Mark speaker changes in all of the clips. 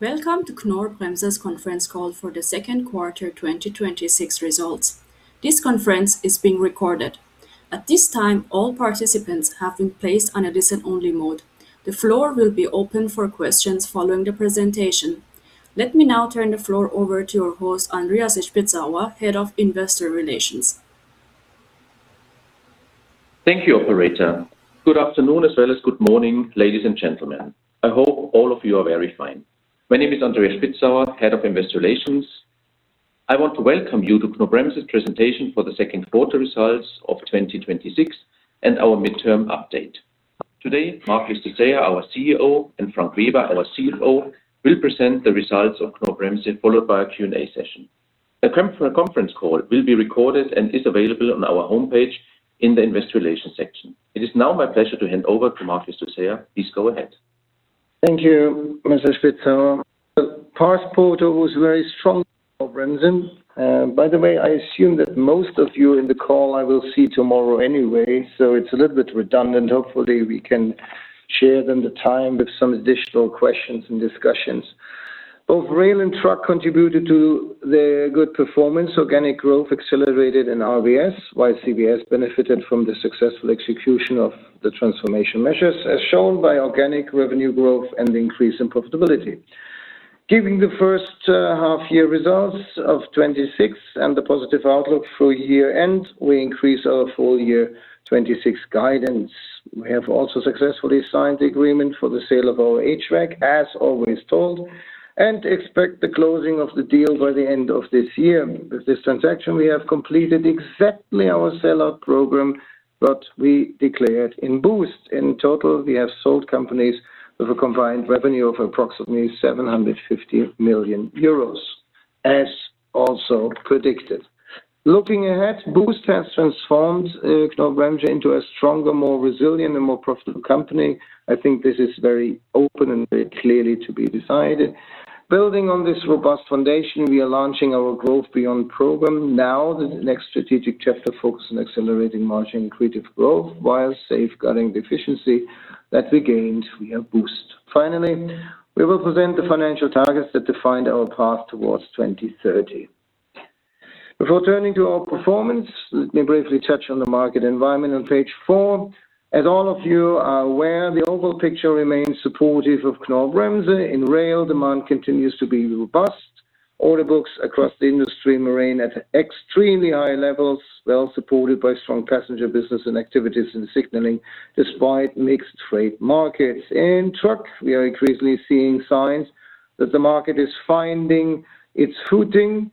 Speaker 1: Welcome to Knorr-Bremse's conference call for the second quarter 2026 results. This conference is being recorded. At this time, all participants have been placed on a listen only mode. The floor will be open for questions following the presentation. Let me now turn the floor over to your host, Andreas Spitzauer, Head of Investor Relations.
Speaker 2: Thank you, operator. Good afternoon, as well as good morning, ladies and gentlemen. I hope all of you are very fine. My name is Andreas Spitzauer, Head of Investor Relations. I want to welcome you to Knorr-Bremse's presentation for the second quarter results of 2026 and our midterm update. Today, Marc Llistosella, our CEO, and Frank Weber, our CFO, will present the results of Knorr-Bremse, followed by a Q&A session. The conference call will be recorded and is available on our homepage in the Investor Relations section. It is now my pleasure to hand over to Marc Llistosella. Please go ahead.
Speaker 3: Thank you, Mr. Spitzauer. The past quarter was very strong for Knorr-Bremse. By the way, I assume that most of you in the call I will see tomorrow anyway, so it is a little bit redundant. Hopefully, we can share then the time with some additional questions and discussions. Both Rail and Truck contributed to the good performance. Organic growth accelerated in RVS, while CVS benefited from the successful execution of the transformation measures, as shown by organic revenue growth and increase in profitability. Giving the H1 year results of 2026 and the positive outlook for year end, we increase our full year 2026 guidance. We have also successfully signed the agreement for the sale of our HVAC, as always told, and expect the closing of the deal by the end of this year. With this transaction, we have completed exactly our sell-out program that we declared in BOOST. In total, we have sold companies with a combined revenue of approximately 750 million euros, as also predicted. Looking ahead, BOOST has transformed Knorr-Bremse into a stronger, more resilient, and more profitable company. I think this is very open and very clearly to be decided. Building on this robust foundation, we are launching our Growth Beyond program now, the next strategic chapter focused on accelerating margin accretive growth while safeguarding the efficiency that we gained via BOOST. Finally, we will present the financial targets that define our path towards 2030. Before turning to our performance, let me briefly touch on the market environment on page four. As all of you are aware, the overall picture remains supportive of Knorr-Bremse. In Rail, demand continues to be robust. Order books across the industry remain at extremely high levels, well supported by strong passenger business and activities in Signaling despite mixed freight markets. In Truck, we are increasingly seeing signs that the market is finding its footing.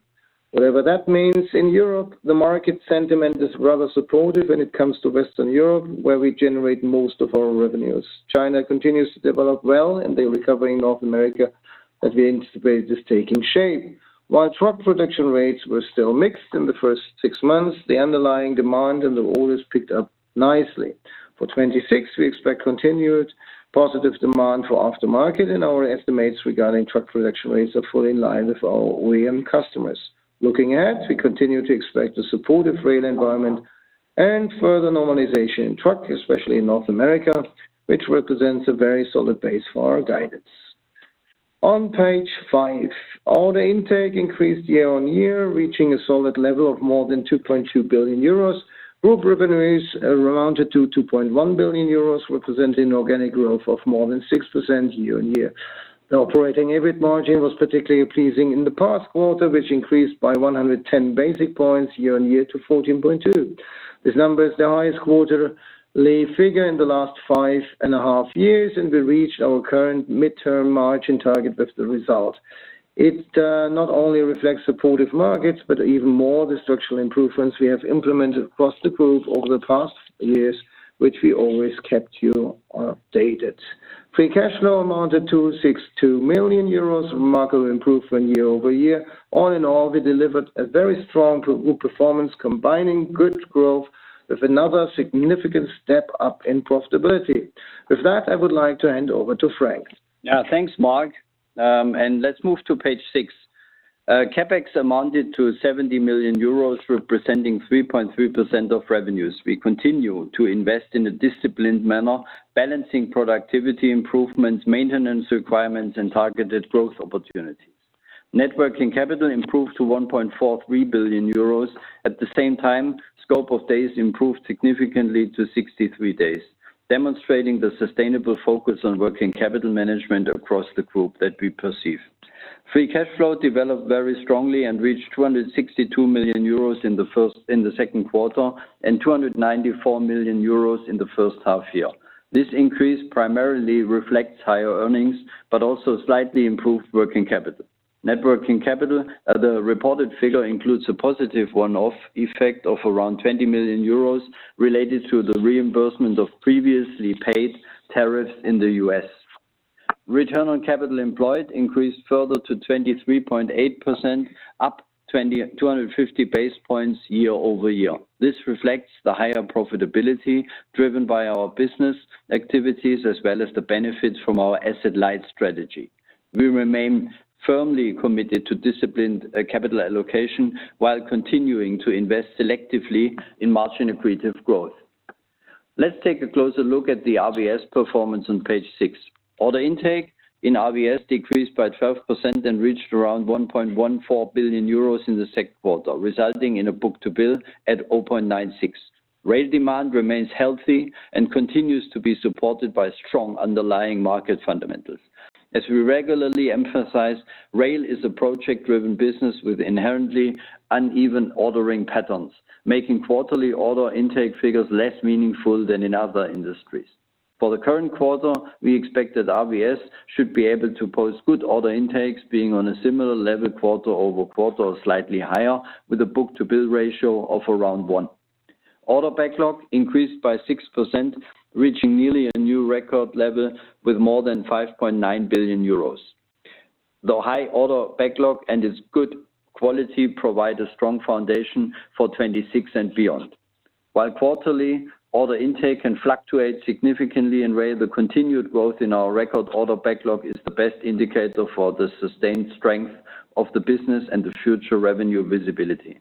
Speaker 3: Whatever that means, in Europe, the market sentiment is rather supportive when it comes to Western Europe, where we generate most of our revenues. China continues to develop well, and the recovery in North America that we anticipated is taking shape. While truck production rates were still mixed in the first six months, the underlying demand and the orders picked up nicely. For 2026, we expect continued positive demand for aftermarket, and our estimates regarding truck production rates are fully in line with our OEM customers. Looking ahead, we continue to expect a supportive rail environment and further normalization in Truck, especially in North America, which represents a very solid base for our guidance. On page five, order intake increased year-on-year, reaching a solid level of more than 2.2 billion euros. Group revenues amounted to 2.1 billion euros, representing organic growth of more than 6% year-on-year. The operating EBIT margin was particularly pleasing in the past quarter, which increased by 110 basis points year-on-year to 14.2%. This number is the highest quarterly figure in the last five and a half years, and we reached our current midterm margin target with the result. It not only reflects supportive markets, but even more the structural improvements we have implemented across the group over the past years, which we always kept you updated. Free cash flow amounted to 62 million euros, a remarkable improvement year-over-year. All in all, we delivered a very strong group performance, combining good growth with another significant step up in profitability. With that, I would like to hand over to Frank.
Speaker 4: Thanks, Marc. Let's move to page six. CapEx amounted to 70 million euros, representing 3.3% of revenues. We continue to invest in a disciplined manner, balancing productivity improvements, maintenance requirements, and targeted growth opportunities. Net working capital improved to 1.43 billion euros. At the same time, scope of days improved significantly to 63 days, demonstrating the sustainable focus on working capital management across the group that we perceive. Free cash flow developed very strongly and reached 262 million euros in the second quarter and 294 million euros in the H1 year. This increase primarily reflects higher earnings but also slightly improved working capital. Net working capital, the reported figure includes a positive one-off effect of around 20 million euros related to the reimbursement of previously paid tariffs in the U.S. Return on capital employed increased further to 23.8%, up 250 basis points year-over-year. This reflects the higher profitability driven by our business activities as well as the benefits from our asset light strategy. We remain firmly committed to disciplined capital allocation while continuing to invest selectively in margin accretive growth. Let's take a closer look at the RVS performance on page six. Order intake in RVS decreased by 12% and reached around 1.14 billion euros in the second quarter, resulting in a book-to-bill at 0.96. Rail demand remains healthy and continues to be supported by strong underlying market fundamentals. As we regularly emphasize, rail is a project-driven business with inherently uneven ordering patterns, making quarterly order intake figures less meaningful than in other industries. For the current quarter, we expect that RVS should be able to post good order intakes, being on a similar level quarter-over-quarter or slightly higher, with a book-to-bill ratio of around 1. Order backlog increased by 6%, reaching nearly a new record level with more than 5.9 billion euros. The high order backlog and its good quality provide a strong foundation for 2026 and beyond. While quarterly order intake can fluctuate significantly in rail, the continued growth in our record order backlog is the best indicator for the sustained strength of the business and the future revenue visibility.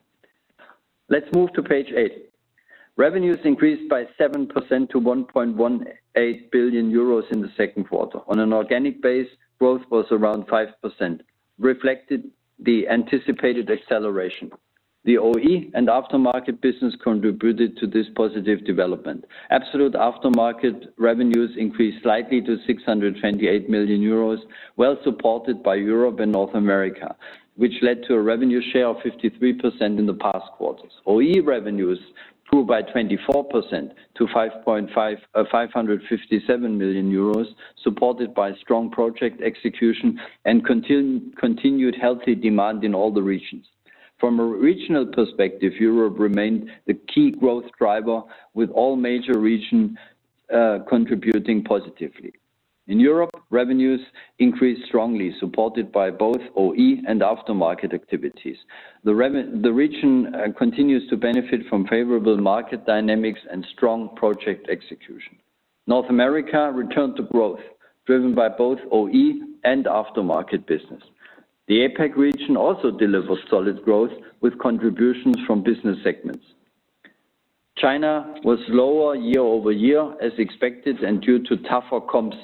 Speaker 4: Let's move to page eight. Revenues increased by 7% to 1.18 billion euros in the second quarter. On an organic base, growth was around 5%, reflecting the anticipated acceleration. The OE and aftermarket business contributed to this positive development. Absolute aftermarket revenues increased slightly to 628 million euros, well supported by Europe and North America, which led to a revenue share of 53% in the past quarters. OE revenues grew by 24% to 557 million euros, supported by strong project execution and continued healthy demand in all the regions. From a regional perspective, Europe remained the key growth driver, with all major regions contributing positively. In Europe, revenues increased strongly, supported by both OE and aftermarket activities. The region continues to benefit from favorable market dynamics and strong project execution. North America returned to growth, driven by both OE and aftermarket business. The APAC region also delivered solid growth with contributions from business segments. China was lower year-over-year as expected and due to tougher comps.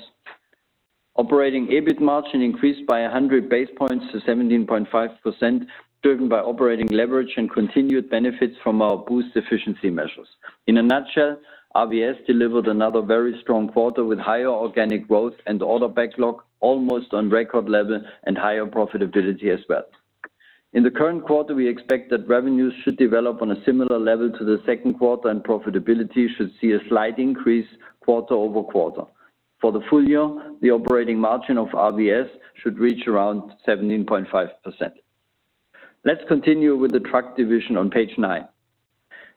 Speaker 4: Operating EBIT margin increased by 100 basis points to 17.5%, driven by operating leverage and continued benefits from our BOOST efficiency measures. In a nutshell, RVS delivered another very strong quarter with higher organic growth and order backlog almost on record level and higher profitability as well. In the current quarter, we expect that revenues should develop on a similar level to the second quarter, and profitability should see a slight increase quarter-over-quarter. For the full year, the operating margin of RVS should reach around 17.5%. Let's continue with the truck division on page nine.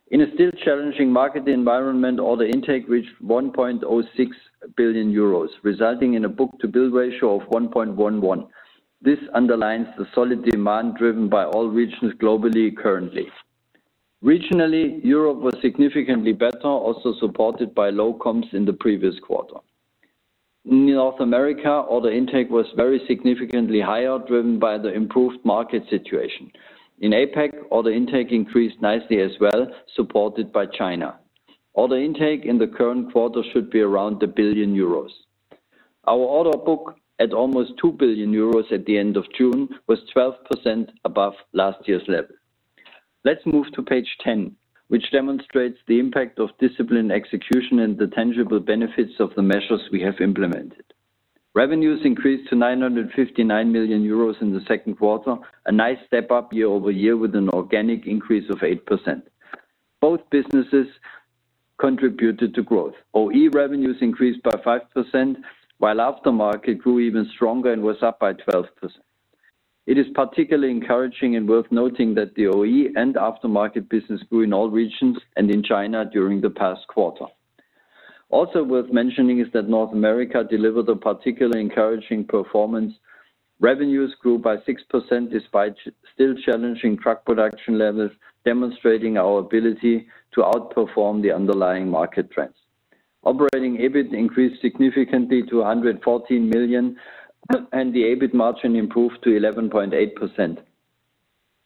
Speaker 4: In a still challenging market environment, order intake reached 1.06 billion euros, resulting in a book-to-bill ratio of 1.11. This underlines the solid demand driven by all regions globally currently. Regionally, Europe was significantly better, also supported by low comps in the previous quarter. In North America, order intake was very significantly higher, driven by the improved market situation. In APAC, order intake increased nicely as well, supported by China. Order intake in the current quarter should be around 1 billion euros. Our order book, at almost 2 billion euros at the end of June, was 12% above last year's level. Let's move to page 10, which demonstrates the impact of disciplined execution and the tangible benefits of the measures we have implemented. Revenues increased to 959 million euros in the second quarter, a nice step up year-over-year with an organic increase of 8%. Both businesses contributed to growth. OE revenues increased by 5%, while aftermarket grew even stronger and was up by 12%. It is particularly encouraging and worth noting that the OE and aftermarket business grew in all regions and in China during the past quarter. Also worth mentioning is that North America delivered a particularly encouraging performance. Revenues grew by 6%, despite still challenging truck production levels, demonstrating our ability to outperform the underlying market trends. Operating EBIT increased significantly to 114 million, and the EBIT margin improved to 11.8%,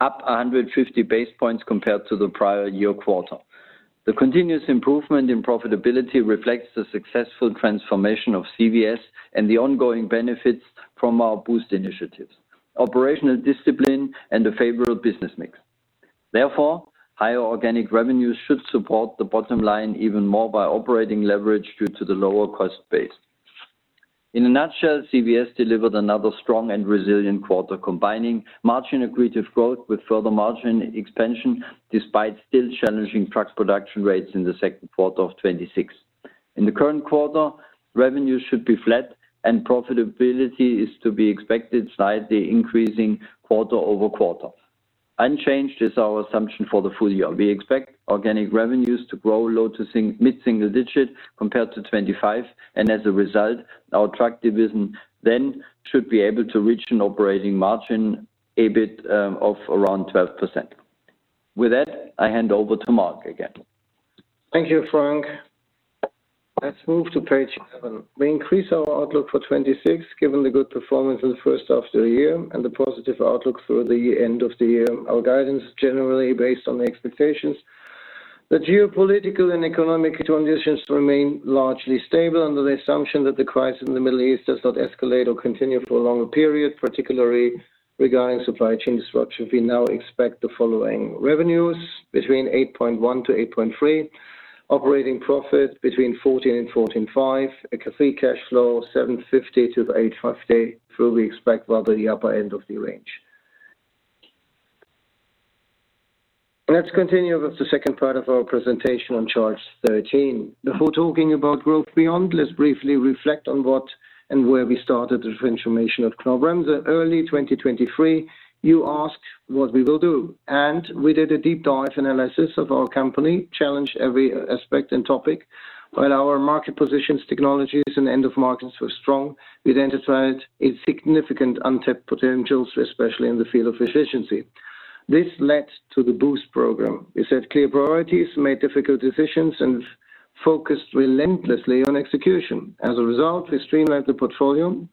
Speaker 4: up 150 base points compared to the prior year quarter. The continuous improvement in profitability reflects the successful transformation of CVS and the ongoing benefits from our BOOST initiatives, operational discipline, and the favorable business mix. Therefore, higher organic revenues should support the bottom line even more by operating leverage due to the lower cost base. In a nutshell, CVS delivered another strong and resilient quarter, combining margin accretive growth with further margin expansion, despite still challenging truck production rates in the second quarter of 2026. In the current quarter, revenues should be flat and profitability is to be expected slightly increasing quarter-over-quarter. Unchanged is our assumption for the full year. We expect organic revenues to grow low to mid-single digit compared to 2025, and as a result, our truck division then should be able to reach an operating margin EBIT of around 12%. With that, I hand over to Marc again.
Speaker 3: Thank you, Frank. Let's move to page seven. We increase our outlook for 2026, given the good performance in the H1 of the year and the positive outlook for the end of the year. Our guidance is generally based on the expectations. The geopolitical and economic conditions remain largely stable under the assumption that the crisis in the Middle East does not escalate or continue for a longer period, particularly regarding supply chain disruption. We now expect the following revenues, between 8.1 billion-8.3 billion. Operating profit between 1.4 billion and 1.45 billion. Free cash flow, 750 million-850 million, through we expect rather the upper end of the range. Let's continue with the second part of our presentation on chart 13. Before talking about Growth Beyond, let's briefly reflect on what and where we started the transformation of Knorr-Bremse. Early 2023, you asked what we will do, and we did a deep dive analysis of our company, challenged every aspect and topic. While our market positions, technologies, and end of markets were strong, we identified a significant untapped potential, especially in the field of efficiency. This led to the BOOST program. We set clear priorities, made difficult decisions, and focused relentlessly on execution. As a result, we streamlined the portfolio,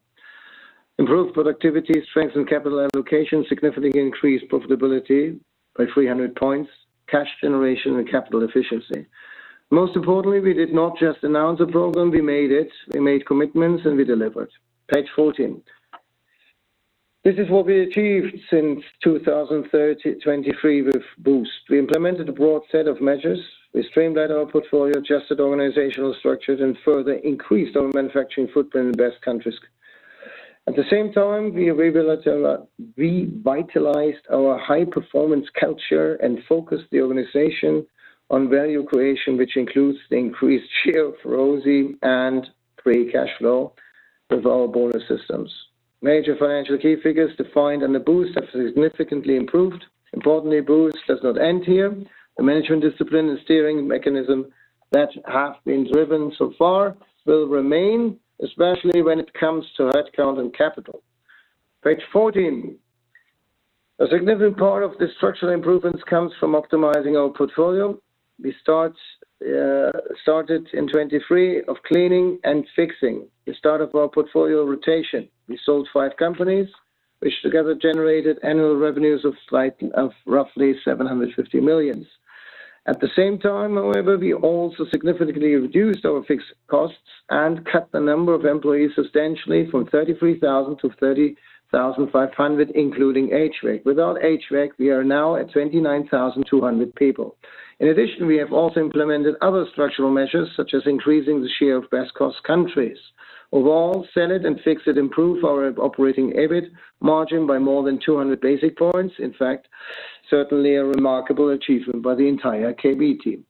Speaker 3: improved productivity, strengthened capital allocation, significantly increased profitability by 300 points, cash generation, and capital efficiency. Most importantly, we did not just announce the program, we made it, we made commitments, and we delivered. Page 14. This is what we achieved since 2023 with BOOST. We implemented a broad set of measures. We streamlined our portfolio, adjusted organizational structures, and further increased our manufacturing footprint in best countries. At the same time, we revitalized our high-performance culture and focused the organization on value creation, which includes the increased share of ROSI and free cash flow with our bonus systems. Major financial key figures defined in the BOOST have significantly improved. Importantly, BOOST does not end here. The management discipline and steering mechanism that have been driven so far will remain, especially when it comes to headcount and capital. Page 14. A significant part of the structural improvements comes from optimizing our portfolio. We started in 2023 of cleaning and Fix It. We started our portfolio rotation. We sold five companies, which together generated annual revenues of roughly 750 million. At the same time, however, we also significantly reduced our fixed costs and cut the number of employees substantially from 33,000-30,500, including HVAC. Without HVAC, we are now at 29,200 people. In addition, we have also implemented other structural measures, such as increasing the share of best cost countries. Overall, Sell It and Fix It improved our operating EBIT margin by more than 200 basis points. In fact, certainly a remarkable achievement by the entire KB team.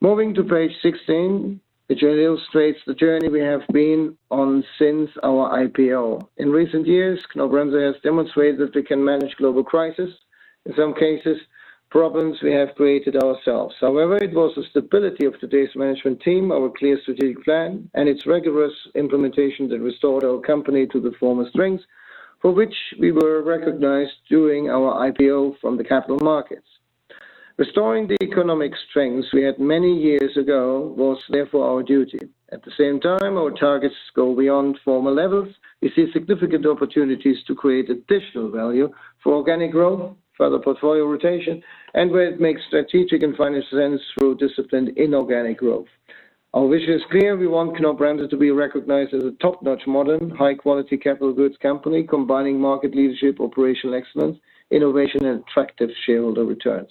Speaker 3: Moving to page 16, which illustrates the journey we have been on since our IPO. In recent years, Knorr-Bremse has demonstrated that we can manage global crisis. In some cases, problems we have created ourselves. However, it was the stability of today's management team, our clear strategic plan, and its rigorous implementation that restored our company to the former strength for which we were recognized during our IPO from the capital markets. Restoring the economic strengths we had many years ago was therefore our duty. At the same time, our targets go beyond former levels. We see significant opportunities to create additional value for organic growth, further portfolio rotation, and where it makes strategic and financial sense through disciplined inorganic growth. Our vision is clear. We want Knorr-Bremse to be recognized as a top-notch, modern, high-quality capital goods company, combining market leadership, operational excellence, innovation, and attractive shareholder returns.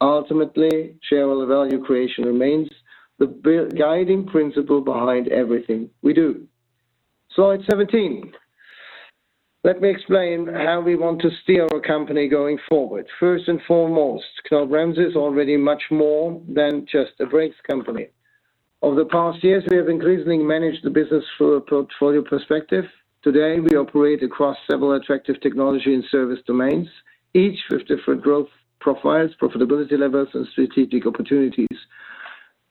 Speaker 3: Ultimately, shareholder value creation remains the guiding principle behind everything we do. Slide 17. Let me explain how we want to steer our company going forward. First and foremost, Knorr-Bremse is already much more than just a brakes company. Over the past years, we have increasingly managed the business through a portfolio perspective. Today, we operate across several attractive technology and service domains, each with different growth profiles, profitability levels, and strategic opportunities.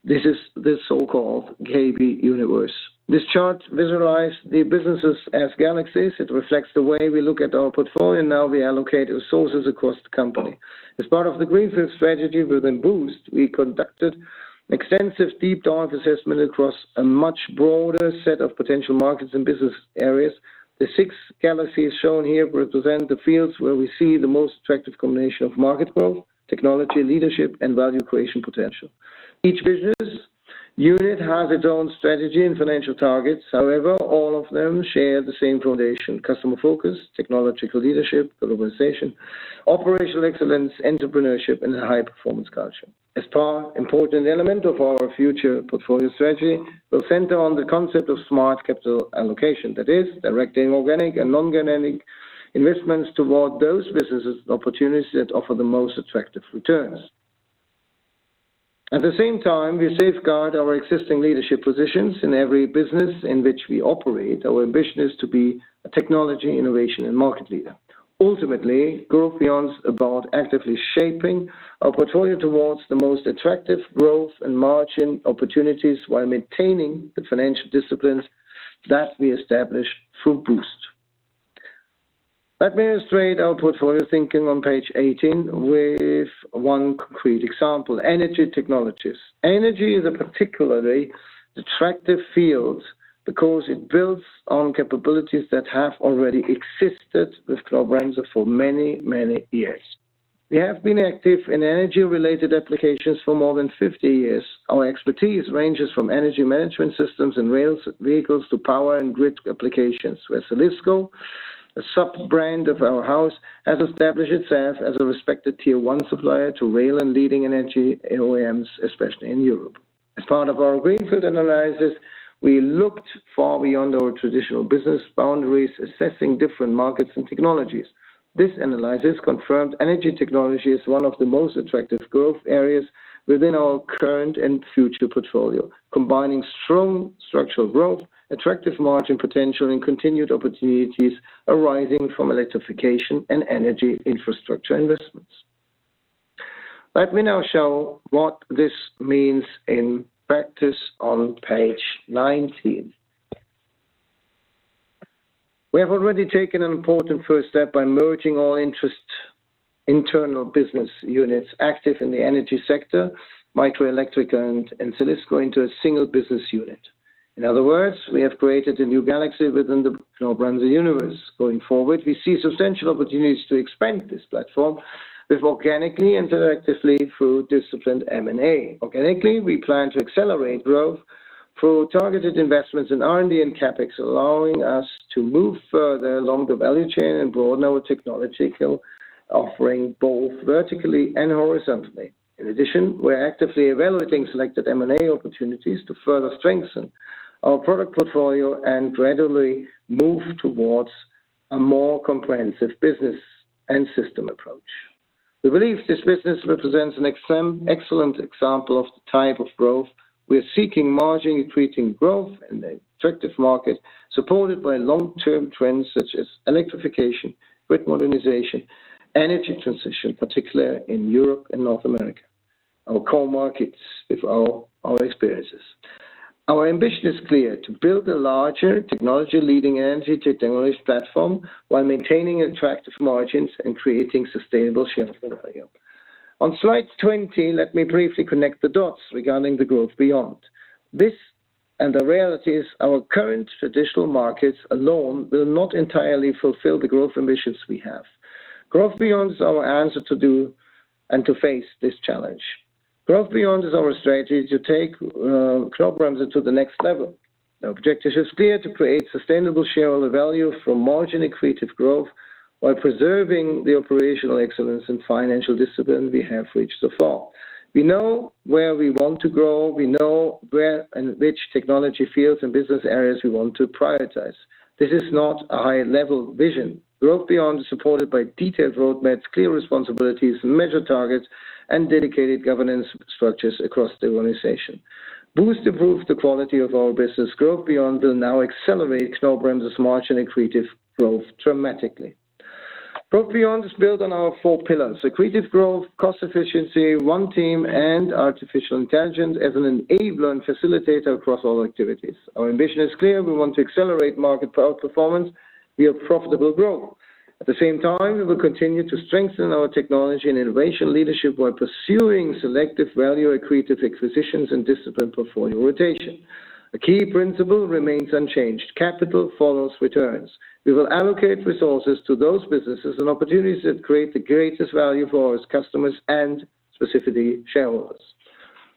Speaker 3: This is the so-called KB universe. This chart visualizes the businesses as galaxies. It reflects the way we look at our portfolio now we allocate resources across the company. As part of the Greenfield strategy within BOOST, we conducted extensive deep dive assessment across a much broader set of potential markets and business areas. The six galaxies shown here represent the fields where we see the most attractive combination of market growth, technology leadership, and value creation potential. Each business unit has its own strategy and financial targets. However, all of them share the same foundation: customer focus, technological leadership, globalization, operational excellence, entrepreneurship, and a high-performance culture. A star important element of our future portfolio strategy will center on the concept of smart capital allocation. That is, directing organic and non-organic investments toward those business opportunities that offer the most attractive returns. At the same time, we safeguard our existing leadership positions in every business in which we operate. Our ambition is to be a technology innovation and market leader. Ultimately, Growth Beyond is about actively shaping our portfolio towards the most attractive growth and margin opportunities while maintaining the financial disciplines that we established through BOOST. Let me illustrate our portfolio thinking on page 18 with one concrete example, energy technologies. Energy is a particularly attractive field because it builds on capabilities that have already existed with Knorr-Bremse for many, many years. We have been active in energy-related applications for more than 50 years. Our expertise ranges from energy management systems and rails vehicles to power and grid applications. With Zelisko, a sub-brand of our house, has established itself as a respected Tier 1 supplier to rail and leading energy OEMs, especially in Europe. As part of our Greenfield analysis, we looked far beyond our traditional business boundaries, assessing different markets and technologies. This analysis confirmed energy technology is one of the most attractive growth areas within our current and future portfolio, combining strong structural growth, attractive margin potential, and continued opportunities arising from electrification and energy infrastructure investments. Let me now show what this means in practice on page 19. We have already taken an important first step by merging all internal business units active in the energy sector, Microelettrica and Zelisko, into a single business unit. In other words, we have created a new galaxy within the Knorr-Bremse universe. Going forward, we see substantial opportunities to expand this platform organically and selectively through disciplined M&A. Organically, we plan to accelerate growth through targeted investments in R&D and CapEx, allowing us to move further along the value chain and broaden our technology skill, offering both vertically and horizontally. In addition, we are actively evaluating selected M&A opportunities to further strengthen our product portfolio and gradually move towards a more comprehensive business and system approach. We believe this business represents an excellent example of the type of growth we are seeking, margin accretive growth in the attractive market, supported by long-term trends such as electrification, grid modernization, energy transition, particularly in Europe and North America, our core markets with our experiences. Our ambition is clear: to build a larger technology-leading energy technology platform while maintaining attractive margins and creating sustainable shareholder value. On slide 20, let me briefly connect the dots regarding the Growth Beyond. This and the reality is our current traditional markets alone will not entirely fulfill the growth ambitions we have. Growth Beyond is our answer to do and to face this challenge. Growth Beyond is our strategy to take Knorr-Bremse to the next level. Our objective is clear, to create sustainable shareholder value for margin accretive growth while preserving the operational excellence and financial discipline we have reached so far. We know where we want to grow. We know where and which technology fields and business areas we want to prioritize. This is not a high-level vision. Growth Beyond is supported by detailed roadmaps, clear responsibilities, measured targets, and dedicated governance structures across the organization. BOOST improved the quality of our business. Growth Beyond will now accelerate Knorr-Bremse's margin accretive growth dramatically. Growth Beyond is built on our four pillars, accretive growth, cost efficiency, one team, and artificial intelligence as an enabler and facilitator across all activities. Our ambition is clear. We want to accelerate market outperformance via profitable growth. At the same time, we will continue to strengthen our technology and innovation leadership by pursuing selective value accretive acquisitions and disciplined portfolio rotation. A key principle remains unchanged. Capital follows returns. We will allocate resources to those businesses and opportunities that create the greatest value for us, customers, and specifically shareholders.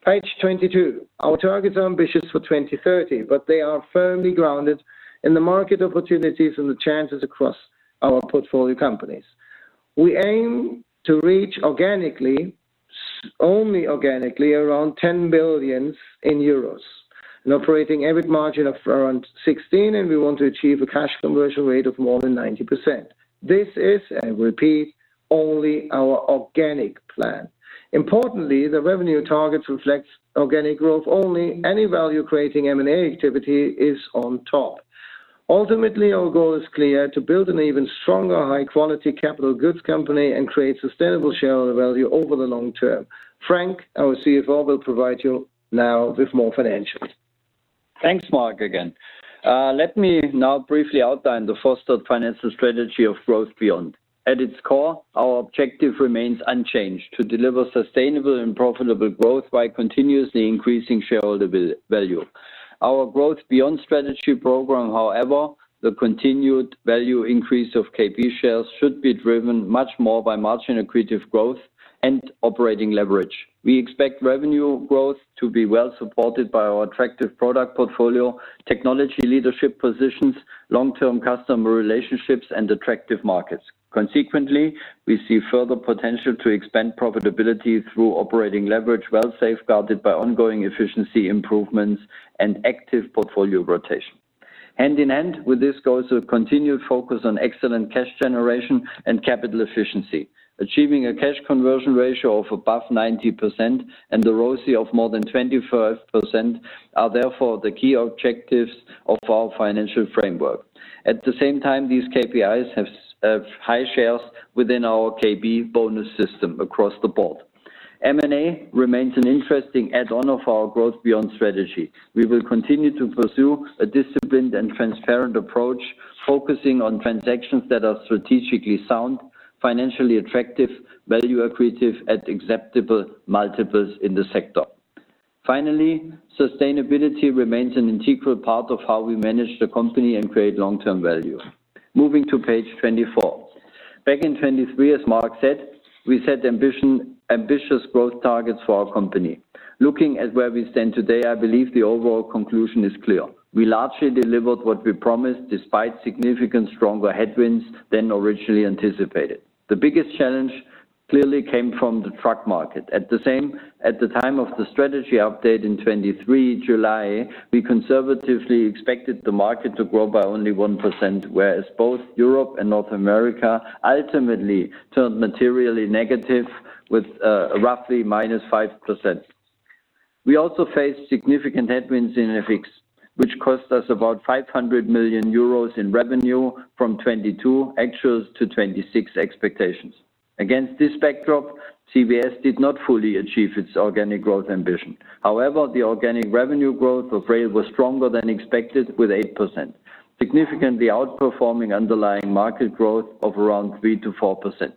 Speaker 3: Page 22. Our targets are ambitious for 2030, but they are firmly grounded in the market opportunities and the chances across our portfolio companies. We aim to reach organically, only organically, around 10 billion euros, an operating EBIT margin of around 16%, and we want to achieve a cash conversion rate of more than 90%. This is, I repeat, only our organic plan. Importantly, the revenue targets reflect organic growth only. Any value creating M&A activity is on top. Ultimately, our goal is clear, to build an even stronger high-quality capital goods company and create sustainable shareholder value over the long term. Frank, our CFO, will provide you now with more financials.
Speaker 4: Thanks, Marc, again. Let me now briefly outline the fostered financial strategy of Growth Beyond. At its core, our objective remains unchanged, to deliver sustainable and profitable growth by continuously increasing shareholder value. Our Growth Beyond strategy program, the continued value increase of KB shares should be driven much more by margin accretive growth and operating leverage. We expect revenue growth to be well supported by our attractive product portfolio, technology leadership positions, long-term customer relationships, and attractive markets. Consequently, we see further potential to expand profitability through operating leverage, well safeguarded by ongoing efficiency improvements and active portfolio rotation. Hand in hand with this goes a continued focus on excellent cash generation and capital efficiency. Achieving a cash conversion ratio of above 90% and the ROCE of more than 25% are therefore the key objectives of our financial framework. At the same time, these KPIs have high shares within our KB bonus system across the board. M&A remains an interesting add-on of our Growth Beyond strategy. We will continue to pursue a disciplined and transparent approach, focusing on transactions that are strategically sound, financially attractive, value accretive at acceptable multiples in the sector. Finally, sustainability remains an integral part of how we manage the company and create long-term value. Moving to page 24. Back in 2023, as Marc said, we set ambitious growth targets for our company. Looking at where we stand today, I believe the overall conclusion is clear. We largely delivered what we promised, despite significantly stronger headwinds than originally anticipated. The biggest challenge clearly came from the truck market. At the time of the strategy update in July 2023, we conservatively expected the market to grow by only 1%, whereas both Europe and North America ultimately turned materially negative with roughly -5%. We also faced significant headwinds in FX, which cost us about 500 million euros in revenue from 2022 actuals to 2026 expectations. Against this backdrop, CVS did not fully achieve its organic growth ambition. The organic revenue growth of rail was stronger than expected with 8%, significantly outperforming underlying market growth of around 3%-4%.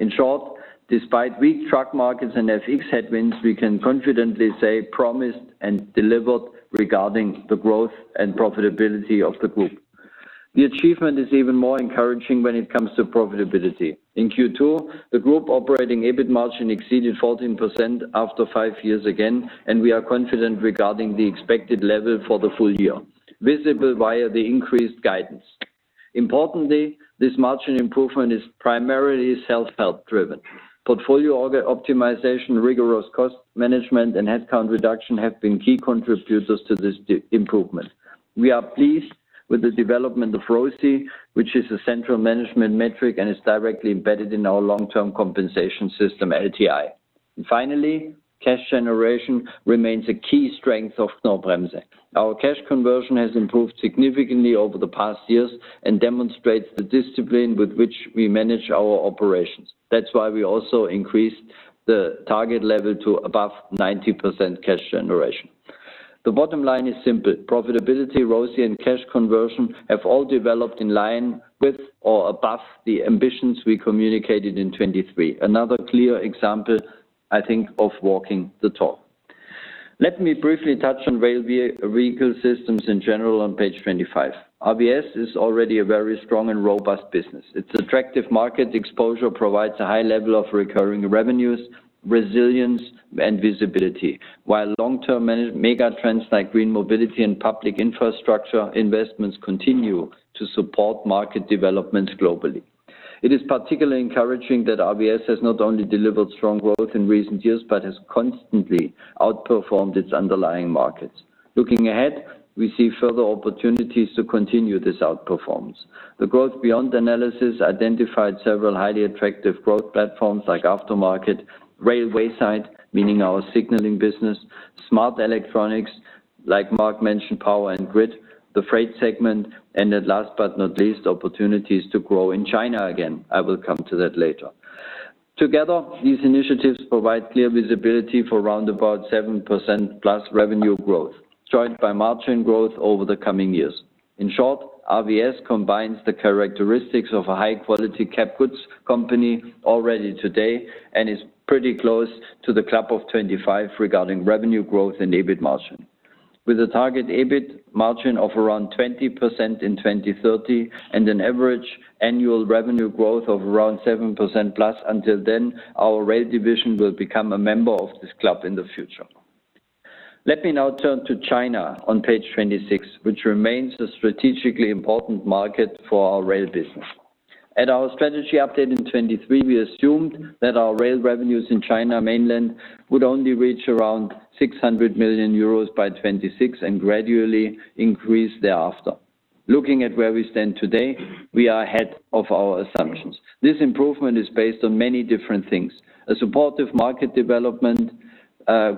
Speaker 4: In short, despite weak truck markets and FX headwinds, we can confidently say promised and delivered regarding the growth and profitability of the group. The achievement is even more encouraging when it comes to profitability. In Q2, the group operating EBIT margin exceeded 14% after five years again, and we are confident regarding the expected level for the full year, visible via the increased guidance. Importantly, this margin improvement is primarily self-help driven. Portfolio optimization, rigorous cost management, and headcount reduction have been key contributors to this improvement. We are pleased with the development of ROSI, which is a central management metric and is directly embedded in our long-term compensation system, LTI. Finally, cash generation remains a key strength of Knorr-Bremse. Our cash conversion has improved significantly over the past years and demonstrates the discipline with which we manage our operations. That's why we also increased the target level to above 90% cash generation. The bottom line is simple. Profitability, ROSI, and cash conversion have all developed in line with or above the ambitions we communicated in 2023. Another clear example, I think, of walking the talk. Let me briefly touch on Railway Vehicle Systems in general on page 25. RVS is already a very strong and robust business. Its attractive market exposure provides a high level of recurring revenues, resilience, and visibility. While long-term mega trends like green mobility and public infrastructure investments continue to support market developments globally. It is particularly encouraging that RVS has not only delivered strong growth in recent years but has constantly outperformed its underlying markets. Looking ahead, we see further opportunities to continue this outperformance. The Growth Beyond analysis identified several highly attractive growth platforms like aftermarket, railway side, meaning our signaling business, smart electronics, like Marc mentioned, power and grid, the freight segment, and last but not least, opportunities to grow in China again. I will come to that later. Together, these initiatives provide clear visibility for around about 7%+ revenue growth, joined by margin growth over the coming years. In short, RVS combines the characteristics of a high-quality cap goods company already today and is pretty close to the club of 25 regarding revenue growth and EBIT margin. With a target EBIT margin of around 20% in 2030 and an average annual revenue growth of around 7%+ until then, our rail division will become a member of this club in the future. Let me now turn to China on page 26, which remains a strategically important market for our rail business. At our strategy update in 2023, we assumed that our rail revenues in China Mainland would only reach around 600 million euros by 2026 and gradually increase thereafter. Looking at where we stand today, we are ahead of our assumptions. This improvement is based on many different things. A supportive market development,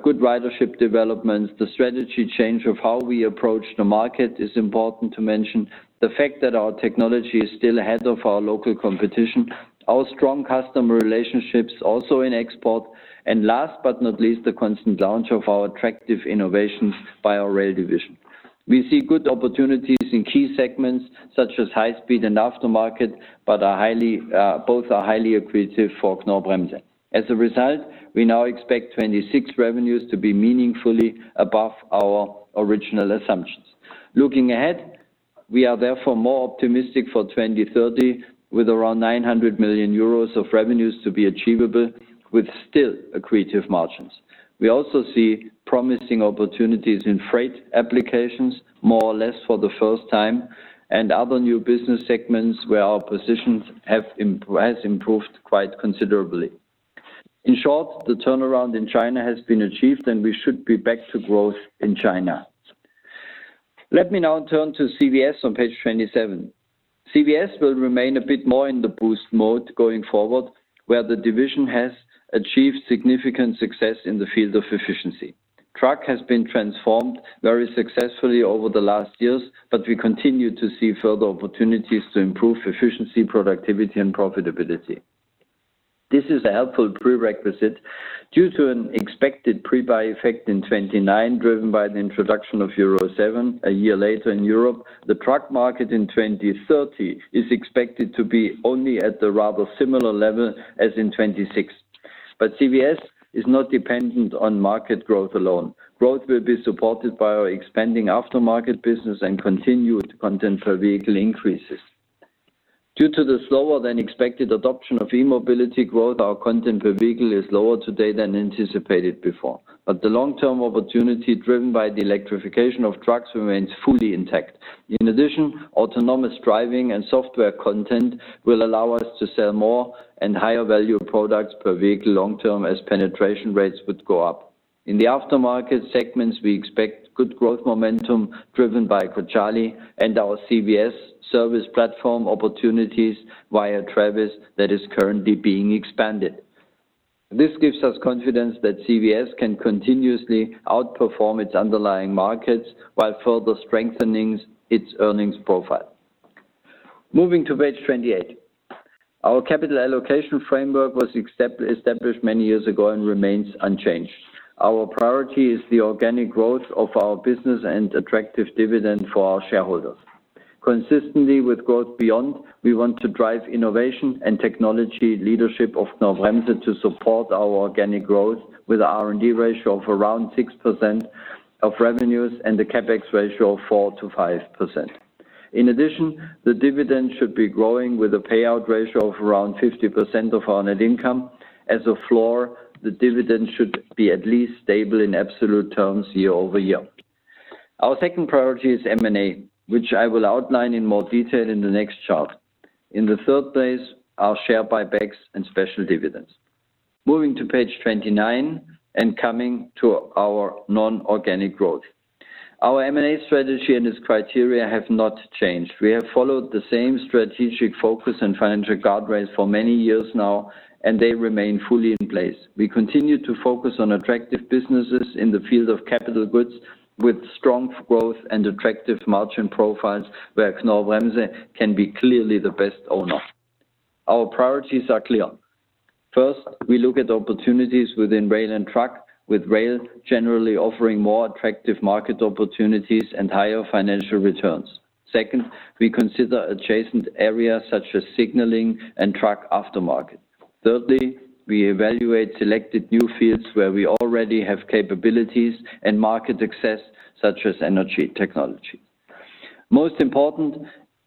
Speaker 4: good ridership developments, the strategy change of how we approach the market is important to mention, the fact that our technology is still ahead of our local competition, our strong customer relationships also in export, and last but not least, the constant launch of our attractive innovations by our rail division. We see good opportunities in key segments such as high speed and aftermarket, both are highly accretive for Knorr-Bremse. As a result, we now expect 2026 revenues to be meaningfully above our original assumptions. Looking ahead, we are therefore more optimistic for 2030, with around 900 million euros of revenues to be achievable with still accretive margins. We also see promising opportunities in freight applications, more or less for the first time, and other new business segments where our positions have improved quite considerably. In short, the turnaround in China has been achieved. We should be back to growth in China. Let me now turn to CVS on page 27. CVS will remain a bit more in the BOOST mode going forward, where the division has achieved significant success in the field of efficiency. Truck has been transformed very successfully over the last years, but we continue to see further opportunities to improve efficiency, productivity, and profitability. This is a helpful prerequisite due to an expected pre-buy effect in 2029, driven by the introduction of Euro 7 a year later in Europe. The truck market in 2030 is expected to be only at the rather similar level as in 2026. CVS is not dependent on market growth alone. Growth will be supported by our expanding aftermarket business and continued content per vehicle increases. Due to the slower than expected adoption of e-mobility growth, our content per vehicle is lower today than anticipated before, but the long-term opportunity driven by the electrification of trucks remains fully intact. In addition, autonomous driving and software content will allow us to sell more and higher value products per vehicle long term as penetration rates would go up. In the aftermarket segments, we expect good growth momentum driven by Cojali and our CVS service platform opportunities via TRAVIS that is currently being expanded. This gives us confidence that CVS can continuously outperform its underlying markets while further strengthening its earnings profile. Moving to page 28. Our capital allocation framework was established many years ago and remains unchanged. Our priority is the organic growth of our business and attractive dividend for our shareholders. Consistently with Growth Beyond, we want to drive innovation and technology leadership of Knorr-Bremse to support our organic growth with R&D ratio of around 6% of revenues and the CapEx ratio of 4%-5%. In addition, the dividend should be growing with a payout ratio of around 50% of our net income. As a floor, the dividend should be at least stable in absolute terms year-over-year. Our second priority is M&A, which I will outline in more detail in the next chart. In the third place, our share buybacks and special dividends. Moving to page 29 and coming to our non-organic growth. Our M&A strategy and its criteria have not changed. We have followed the same strategic focus and financial guardrails for many years now. They remain fully in place. We continue to focus on attractive businesses in the field of capital goods with strong growth and attractive margin profiles where Knorr-Bremse can be clearly the best owner. Our priorities are clear. First, we look at opportunities within rail and truck, with rail generally offering more attractive market opportunities and higher financial returns. Second, we consider adjacent areas such as signaling and truck aftermarket. Thirdly, we evaluate selected new fields where we already have capabilities and market access, such as energy technology. Most important,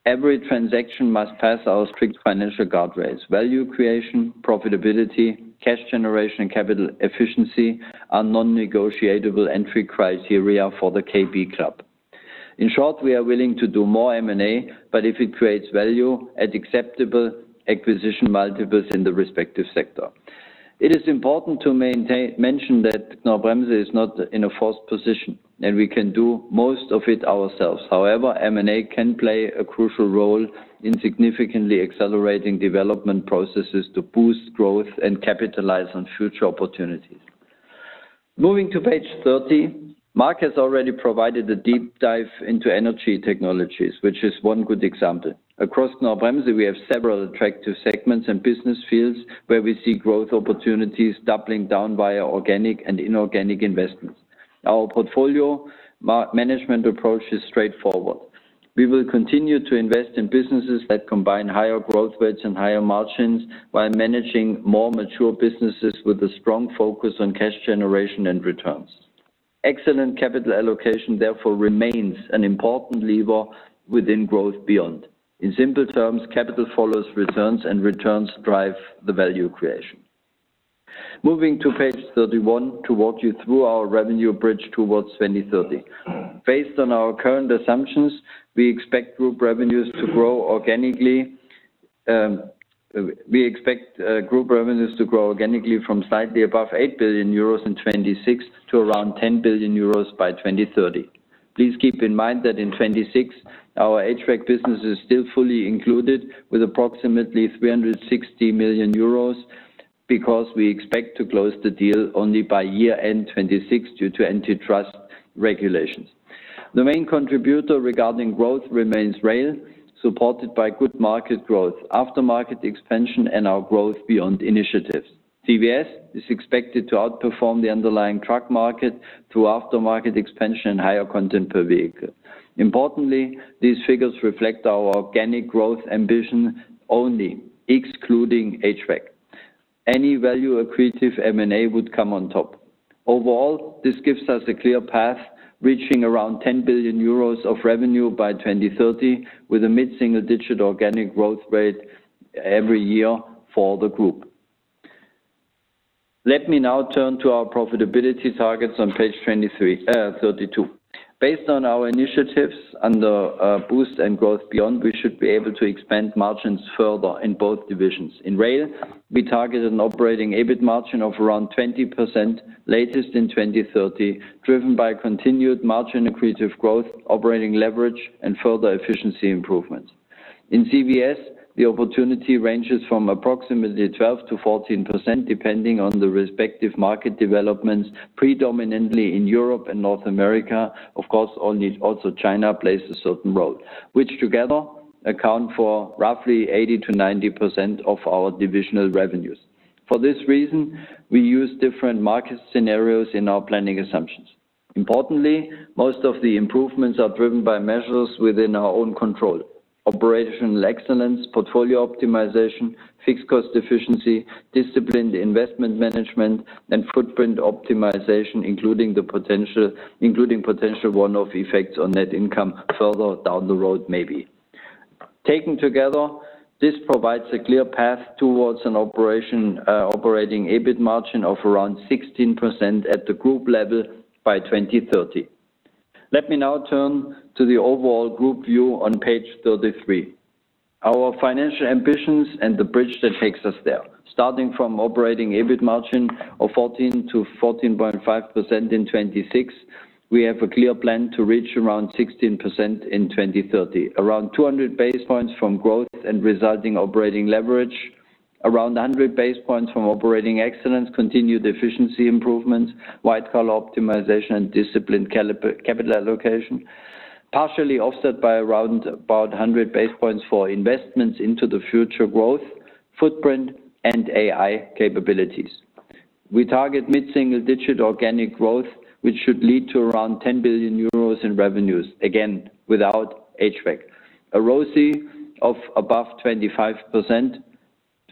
Speaker 4: every transaction must pass our strict financial guardrails. Value creation, profitability, cash generation, and capital efficiency are non-negotiable entry criteria for the KB club. In short, we are willing to do more M&A, but if it creates value at acceptable acquisition multiples in the respective sector. It is important to mention that Knorr-Bremse is not in a forced position, and we can do most of it ourselves. However, M&A can play a crucial role in significantly accelerating development processes to boost growth and capitalize on future opportunities. Moving to page 30. Marc has already provided a deep dive into energy technologies, which is one good example. Across Knorr-Bremse, we have several attractive segments and business fields where we see growth opportunities doubling down via organic and inorganic investments. Our portfolio management approach is straightforward. We will continue to invest in businesses that combine higher growth rates and higher margins while managing more mature businesses with a strong focus on cash generation and returns. Excellent capital allocation, therefore, remains an important lever within Growth Beyond. In simple terms, capital follows returns, and returns drive the value creation. Moving to page 31 to walk you through our revenue bridge towards 2030. Based on our current assumptions, we expect group revenues to grow organically from slightly above 8 billion euros in 2026 to around 10 billion euros by 2030. Please keep in mind that in 2026, our HVAC business is still fully included with approximately 360 million euros because we expect to close the deal only by year end 2026 due to antitrust regulations. The main contributor regarding growth remains rail, supported by good market growth, aftermarket expansion, and our Growth Beyond initiatives. CVS is expected to outperform the underlying truck market through aftermarket expansion and higher content per vehicle. Importantly, these figures reflect our organic growth ambition only, excluding HVAC. Any value accretive M&A would come on top. Overall, this gives us a clear path, reaching around 10 billion euros of revenue by 2030 with a mid-single-digit organic growth rate every year for the group. Let me now turn to our profitability targets on page 32. Based on our initiatives under BOOST and Growth Beyond, we should be able to expand margins further in both divisions. In rail, we targeted an operating EBIT margin of around 20% latest in 2030, driven by continued margin accretive growth, operating leverage, and further efficiency improvements. In CVS, the opportunity ranges from approximately 12%-14%, depending on the respective market developments, predominantly in Europe and North America. Of course, also China plays a certain role, which together account for roughly 80%-90% of our divisional revenues. For this reason, we use different market scenarios in our planning assumptions. Importantly, most of the improvements are driven by measures within our own control: operational excellence, portfolio optimization, fixed cost efficiency, disciplined investment management, and footprint optimization, including potential one-off effects on net income further down the road maybe. Taken together, this provides a clear path towards an operating EBIT margin of around 16% at the group level by 2030. Let me now turn to the overall group view on Page 33. Our financial ambitions and the bridge that takes us there. Starting from operating EBIT margin of 14%-14.5% in 2026, we have a clear plan to reach around 16% in 2030. Around 200 basis points from growth and resulting operating leverage. Around 100 basis points from operating excellence, continued efficiency improvements, white collar optimization, and disciplined capital allocation. Partially offset by around about 100 basis points for investments into the future growth footprint and AI capabilities. We target mid-single-digit organic growth, which should lead to around 10 billion euros in revenues, again, without HVAC. A ROCE of above 25%,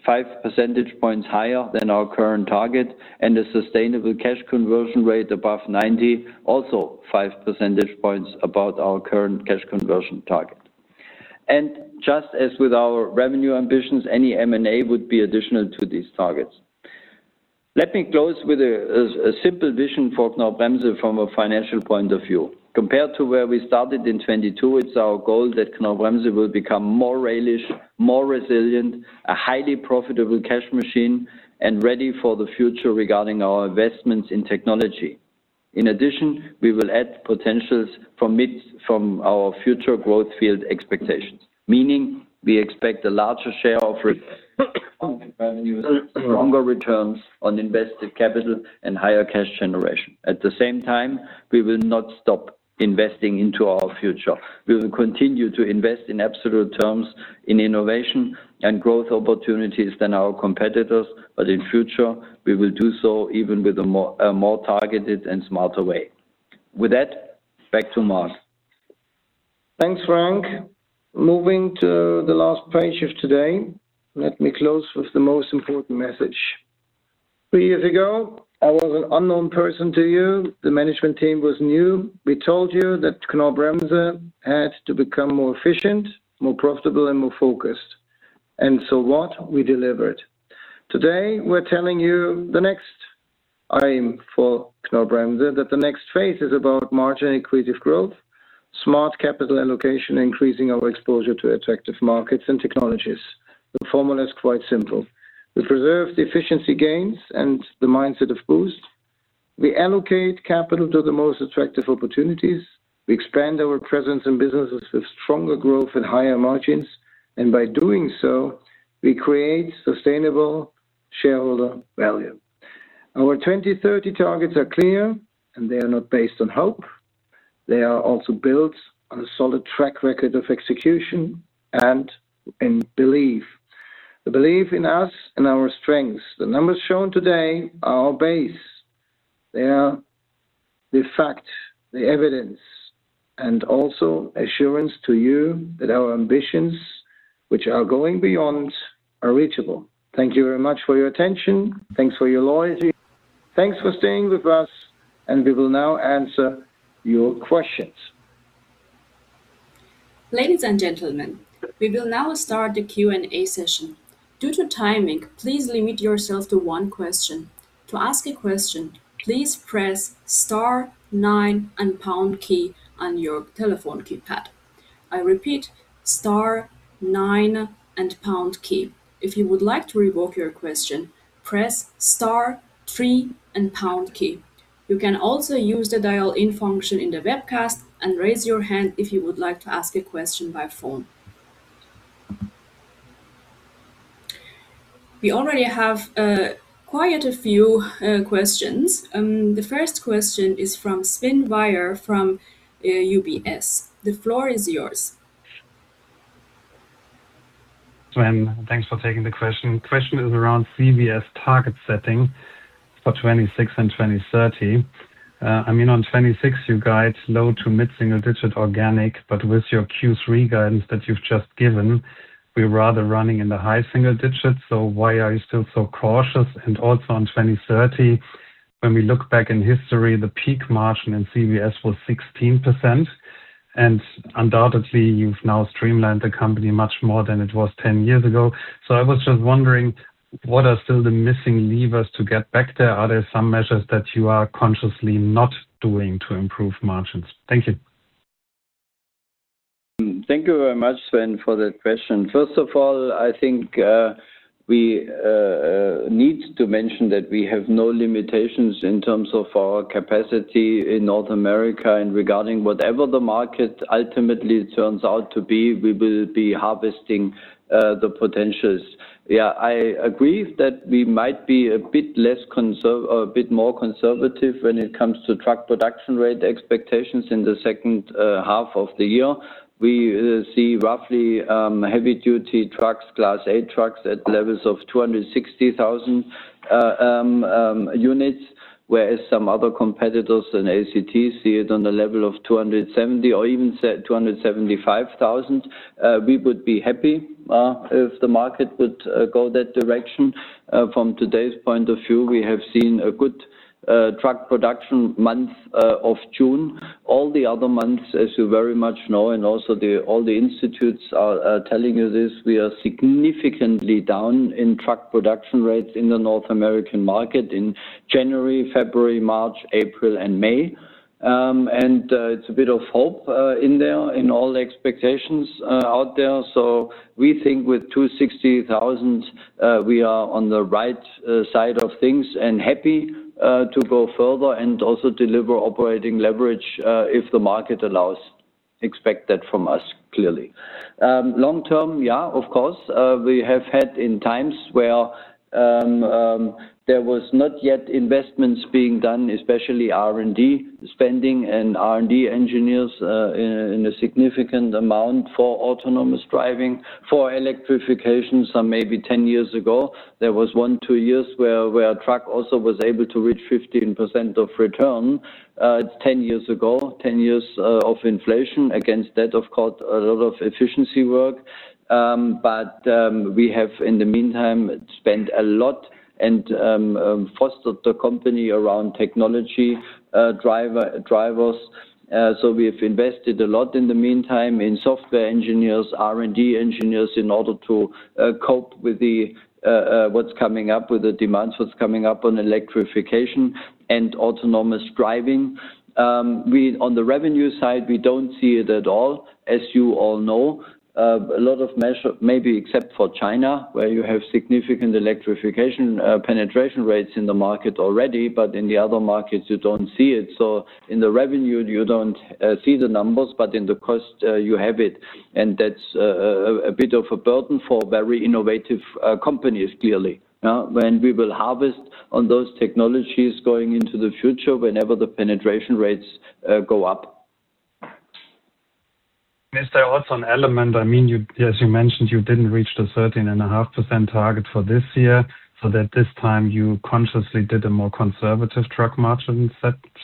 Speaker 4: 5 percentage points higher than our current target, and a sustainable cash conversion rate above 90%, also 5 percentage points above our current cash conversion target. Just as with our revenue ambitions, any M&A would be additional to these targets. Let me close with a simple vision for Knorr-Bremse from a financial point of view. Compared to where we started in 2022, it is our goal that Knorr-Bremse will become more railish, more resilient, a highly profitable cash machine, and ready for the future regarding our investments in technology. In addition, we will add potentials from our future growth field expectations. Meaning we expect a larger share of revenue, stronger returns on invested capital, and higher cash generation. At the same time, we will not stop investing into our future. We will continue to invest in absolute terms in innovation and growth opportunities than our competitors, in future, we will do so even with a more targeted and smarter way. With that, back to Marc.
Speaker 3: Thanks, Frank. Moving to the last page of today. Let me close with the most important message. Three years ago, I was an unknown person to you. The management team was new. We told you that Knorr-Bremse had to become more efficient, more profitable, and more focused. So what? We delivered. Today, we are telling you the next aim for Knorr-Bremse, that the next phase is about margin-accretive growth, smart capital allocation, increasing our exposure to attractive markets and technologies. The formula is quite simple. We preserve the efficiency gains and the mindset of BOOST. We allocate capital to the most attractive opportunities. We expand our presence in businesses with stronger growth and higher margins. By doing so, we create sustainable shareholder value. Our 2030 targets are clear, they are not based on hope. They are also built on a solid track record of execution and in belief. The belief in us and our strengths. The numbers shown today are our base. They are the fact, the evidence, and also assurance to you that our ambitions, which are going beyond, are reachable. Thank you very much for your attention. Thanks for your loyalty. Thanks for staying with us, we will now answer your questions.
Speaker 1: Ladies and gentlemen, we will now start the Q&A session. Due to timing, please limit yourself to one question. To ask a question, please press star nine and pound key on your telephone keypad. I repeat, star nine and pound key. If you would like to revoke your question, press star three and pound key. You can also use the dial-in function in the webcast and raise your hand if you would like to ask a question by phone. We already have quite a few questions. The first question is from Sven Weier from UBS. The floor is yours.
Speaker 5: Sven, thanks for taking the question. Question is around CVS target setting for 2026 and 2030. On 2026, you guide low to mid single-digit organic, but with your Q3 guidance that you've just given, we're rather running in the high single-digits. Why are you still so cautious? Also on 2030, when we look back in history, the peak margin in CVS was 16%, and undoubtedly, you've now streamlined the company much more than it was 10 years ago. I was just wondering, what are still the missing levers to get back there? Are there some measures that you are consciously not doing to improve margins? Thank you.
Speaker 4: Thank you very much, Sven, for that question. First of all, I think we need to mention that we have no limitations in terms of our capacity in North America. Regarding whatever the market ultimately turns out to be, we will be harvesting the potentials. Yeah, I agree that we might be a bit more conservative when it comes to truck production rate expectations in the H2 of the year. We see roughly heavy duty trucks, Class 8 trucks at levels of 260,000 units, whereas some other competitors in ACT see it on the level of 270,000 or even 275,000. We would be happy if the market would go that direction. From today's point of view, we have seen a good truck production month of June. All the other months, as you very much know, and also all the institutes are telling you this, we are significantly down in truck production rates in the North American market in January, February, March, April, and May. It's a bit of hope in there, in all the expectations out there. We think with 260,000, we are on the right side of things and happy to go further and also deliver operating leverage if the market allows. Expect that from us, clearly. Long term, of course. We have had in times where there was not yet investments being done, especially R&D spending and R&D engineers in a significant amount for autonomous driving, for electrification. Some maybe 10 years ago, there was one, two years where truck also was able to reach 15% of return. It's 10 years ago, 10 years of inflation. Against that, of course, a lot of efficiency work. We have, in the meantime, spent a lot and fostered the company around technology drivers. We have invested a lot in the meantime in software engineers, R&D engineers, in order to cope with what's coming up with the demands, what's coming up on electrification and autonomous driving. On the revenue side, we don't see it at all. As you all know, maybe except for China, where you have significant electrification penetration rates in the market already, but in the other markets, you don't see it. In the revenue, you don't see the numbers, but in the cost, you have it. That's a bit of a burden for very innovative companies, clearly. When we will harvest on those technologies going into the future, whenever the penetration rates go up.
Speaker 5: Is there also an element, as you mentioned, you didn't reach the 13.5% target for this year, so that this time you consciously did a more conservative truck margin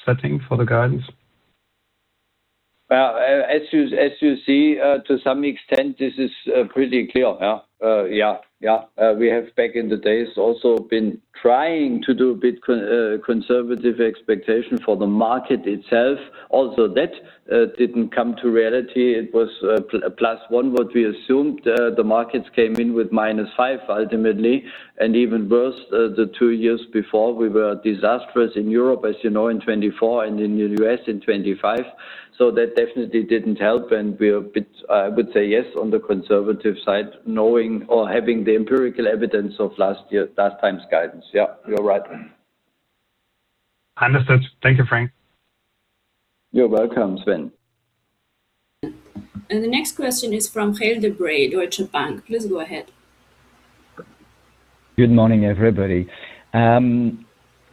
Speaker 5: setting for the guidance?
Speaker 4: As you see, to some extent, this is pretty clear. We have back in the days also been trying to do a bit conservative expectation for the market itself. That didn't come to reality. It was a +1 what we assumed. The markets came in with -5 ultimately, and even worse, the two years before, we were disastrous in Europe, as you know, in 2024 and in the U.S. in 2025. That definitely didn't help. I would say yes, on the conservative side, knowing or having the empirical evidence of last year, last time's guidance. You're right.
Speaker 5: Understood. Thank you, Frank.
Speaker 4: You're welcome, Sven.
Speaker 1: The next question is from Gaël de Bray, Deutsche Bank. Please go ahead.
Speaker 6: Good morning, everybody.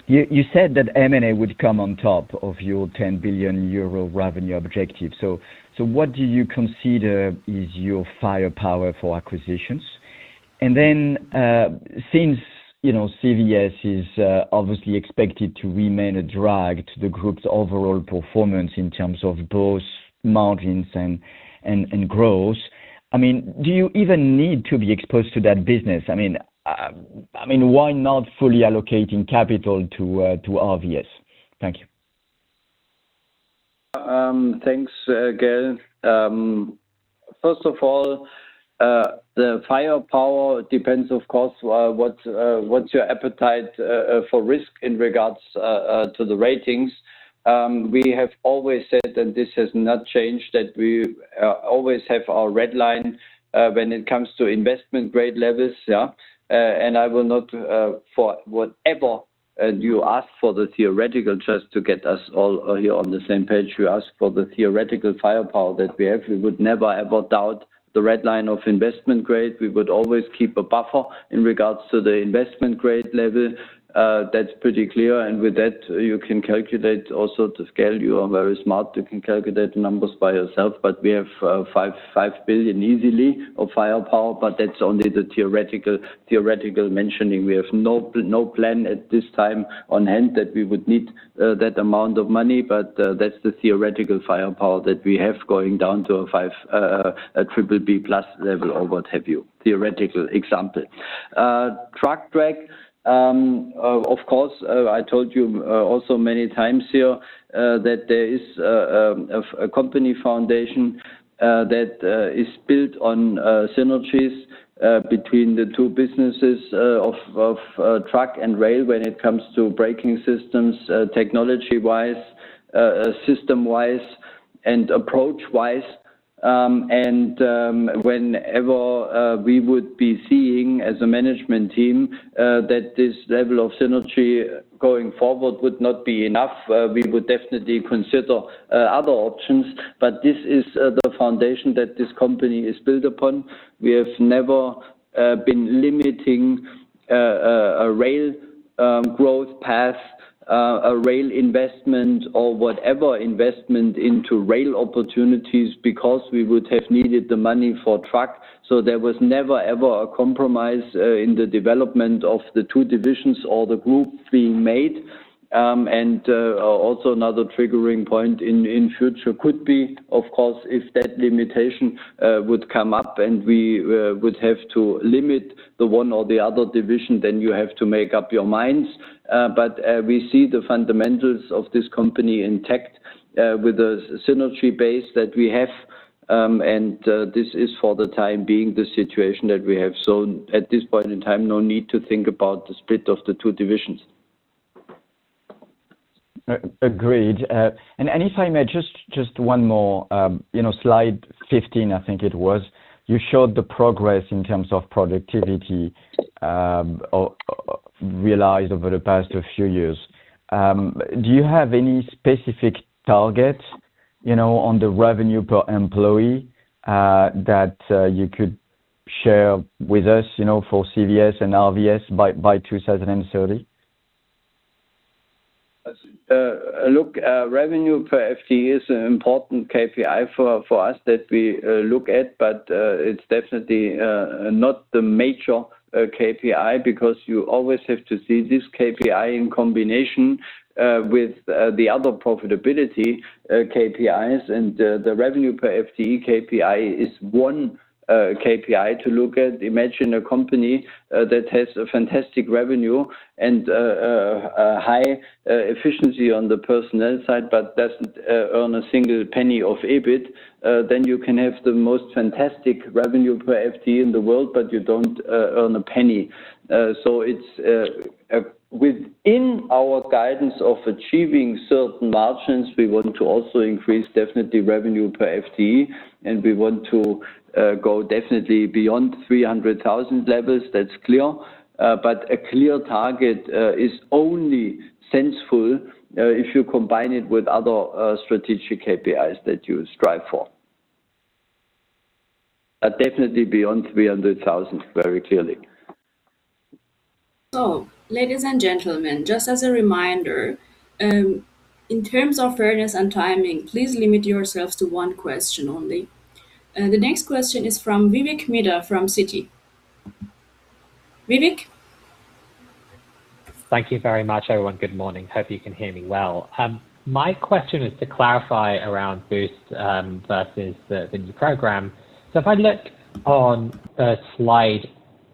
Speaker 6: You said that M&A would come on top of your 10 billion euro revenue objective. What do you consider is your firepower for acquisitions? Since CVS is obviously expected to remain a drag to the group's overall performance in terms of both margins and growth, do you even need to be exposed to that business? Why not fully allocating capital to RVS? Thank you.
Speaker 4: Thanks, Gaël. First of all, what's your appetite for risk in regards to the ratings? We have always said, and this has not changed, that we always have our red line when it comes to investment grade levels, yeah. I will not, for whatever you ask for the theoretical, just to get us all here on the same page, you ask for the theoretical firepower that we have. We would never, ever doubt the red line of investment grade. We would always keep a buffer in regards to the investment grade level. That's pretty clear. With that, you can calculate also the scale. You are very smart. You can calculate the numbers by yourself, but we have 5 billion easily of firepower, but that's only the theoretical mentioning. We have no plan at this time on hand that we would need that amount of money, but that's the theoretical firepower that we have going down to a BBB+ level or what have you. Theoretical example. Truck, brake, of course, I told you also many times here, that there is a company foundation that is built on synergies between the two businesses of truck and rail when it comes to braking systems, technology-wise, system-wise. Approach-wise, and whenever we would be seeing, as a management team, that this level of synergy going forward would not be enough, we would definitely consider other options. This is the foundation that this company is built upon. We have never been limiting a rail growth path, a rail investment, or whatever investment into rail opportunities because we would have needed the money for truck. There was never, ever a compromise in the development of the two divisions or the group being made. Also another triggering point in future could be, of course, if that limitation would come up and we would have to limit the one or the other division, then you have to make up your minds. We see the fundamentals of this company intact with the synergy base that we have. This is for the time being, the situation that we have. At this point in time, no need to think about the split of the two divisions.
Speaker 6: Agreed. If I may, just one more. Slide 15, I think it was. You showed the progress in terms of productivity realized over the past few years. Do you have any specific targets on the revenue per employee that you could share with us for CVS and RVS by 2030?
Speaker 4: Look, revenue per FTE is an important KPI for us that we look at, it's definitely not the major KPI because you always have to see this KPI in combination with the other profitability KPIs. The revenue per FTE KPI is one KPI to look at. Imagine a company that has a fantastic revenue and a high efficiency on the personnel side, doesn't earn a single penny of EBIT. You can have the most fantastic revenue per FTE in the world, you don't earn a penny. Within our guidance of achieving certain margins, we want to also increase definitely revenue per FTE, and we want to go definitely beyond 300,000 levels. That's clear. A clear target is only sensible if you combine it with other strategic KPIs that you strive for. Definitely beyond 300,000, very clearly.
Speaker 1: Ladies and gentlemen, just as a reminder, in terms of fairness and timing, please limit yourselves to one question only. The next question is from Vivek Midha from Citi. Vivek?
Speaker 7: Thank you very much, everyone. Good morning. Hope you can hear me well. My question is to clarify around BOOST versus the new program. If I look on slide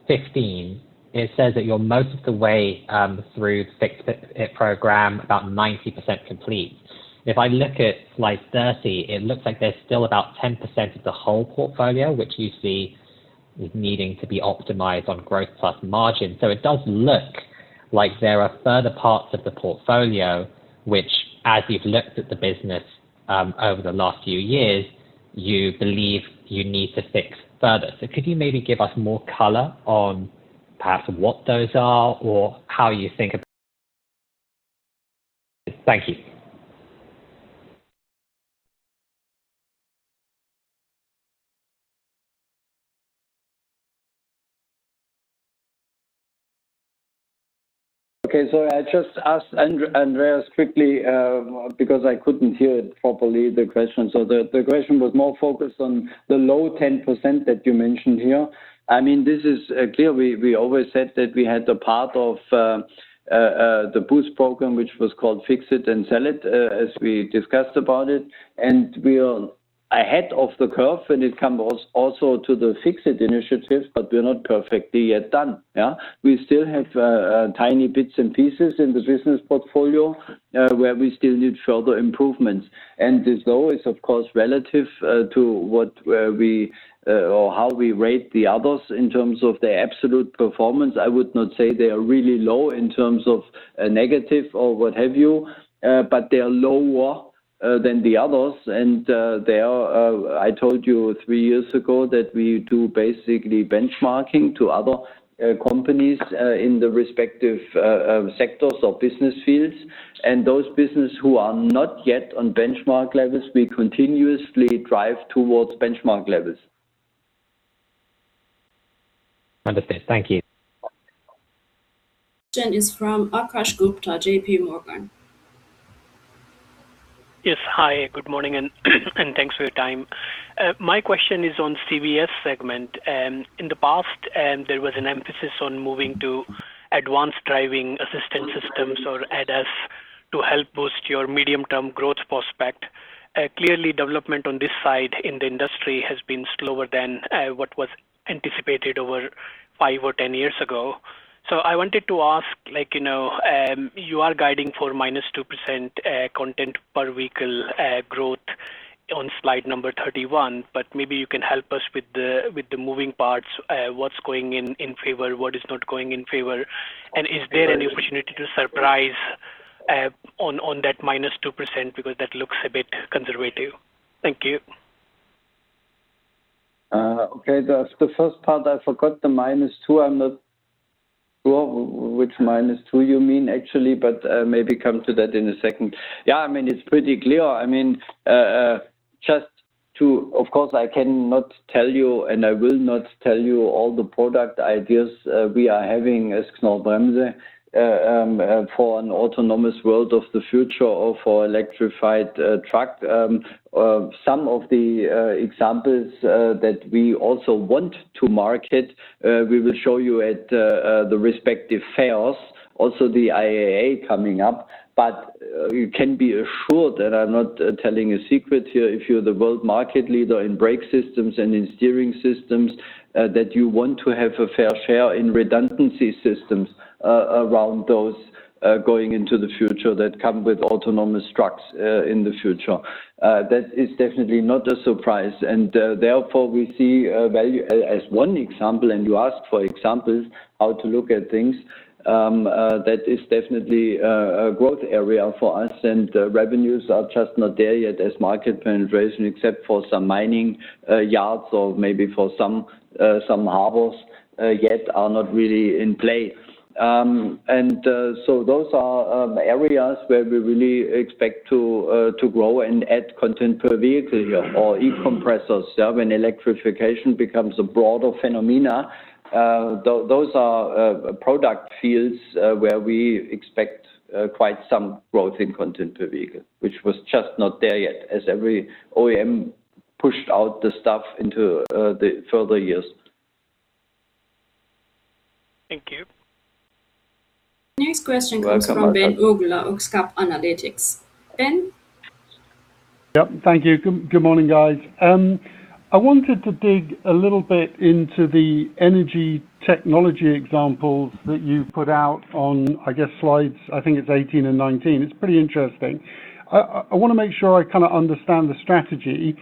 Speaker 7: 15, it says that you're most of the way through the Fix It program, about 90% complete. If I look at slide 30, it looks like there's still about 10% of the whole portfolio, which you see needing to be optimized on growth plus margin. It does look like there are further parts of the portfolio, which as you've looked at the business over the last few years, you believe you need to fix further. Could you maybe give us more color on perhaps what those are or how you think of? Thank you.
Speaker 4: Okay, I just asked Andreas quickly, because I couldn't hear it properly, the question. The question was more focused on the low 10% that you mentioned here. This is clear. We always said that we had a part of the BOOST program, which was called Fix It and Sell It, as we discussed about it, we are ahead of the curve when it comes also to the Fix It initiatives, we're not perfectly yet done. We still have tiny bits and pieces in the business portfolio where we still need further improvements. This low is, of course, relative to how we rate the others in terms of their absolute performance. I would not say they are really low in terms of negative or what have you. They are lower than the others. I told you three years ago that we do basically benchmarking to other companies in the respective sectors or business fields. Those business who are not yet on benchmark levels, we continuously drive towards benchmark levels.
Speaker 7: Understood. Thank you.
Speaker 1: Next question is from Akash Gupta, JPMorgan.
Speaker 8: Yes. Hi, good morning, thanks for your time. My question is on CVS segment. In the past, there was an emphasis on moving to advanced driving assistance systems or ADAS to help boost your medium-term growth prospect. Clearly, development on this side in the industry has been slower than what was anticipated over five or 10 years ago. I wanted to ask, you are guiding for -2% content per vehicle growth on slide number 31, maybe you can help us with the moving parts. What's going in favor? What is not going in favor? Is there any opportunity to surprise on that -2%? Because that looks a bit under review. Thank you.
Speaker 4: Okay. The first part I forgot, the -2. I'm not sure which -2 you mean actually, but maybe come to that in a second. Yeah, it's pretty clear. Of course, I cannot tell you, and I will not tell you all the product ideas we are having as Knorr-Bremse, for an autonomous world of the future or for electrified truck. Some of the examples that we also want to market, we will show you at the respective fairs, also the IAA coming up. You can be assured that I'm not telling a secret here, if you're the world market leader in brake systems and in steering systems, that you want to have a fair share in redundancy systems around those, going into the future that come with autonomous trucks in the future. That is definitely not a surprise. Therefore, we see value as one example, and you asked for examples how to look at things, that is definitely a growth area for us, and revenues are just not there yet as market penetration, except for some mining yards or maybe for some harbors, yet are not really in play. Those are areas where we really expect to grow and add content per vehicle here, or e-compressors. When electrification becomes a broader phenomena, those are product fields where we expect quite some growth in content per vehicle, which was just not there yet, as every OEM pushed out the stuff into the further years.
Speaker 8: Thank you.
Speaker 1: Next question comes from Ben Uglow of OxCap Analytics. Ben?
Speaker 9: Yep. Thank you. Good morning, guys. I wanted to dig a little bit into the energy technology examples that you put out on slides 18 and 19. It's pretty interesting. I want to make sure I kind of understand the strategy.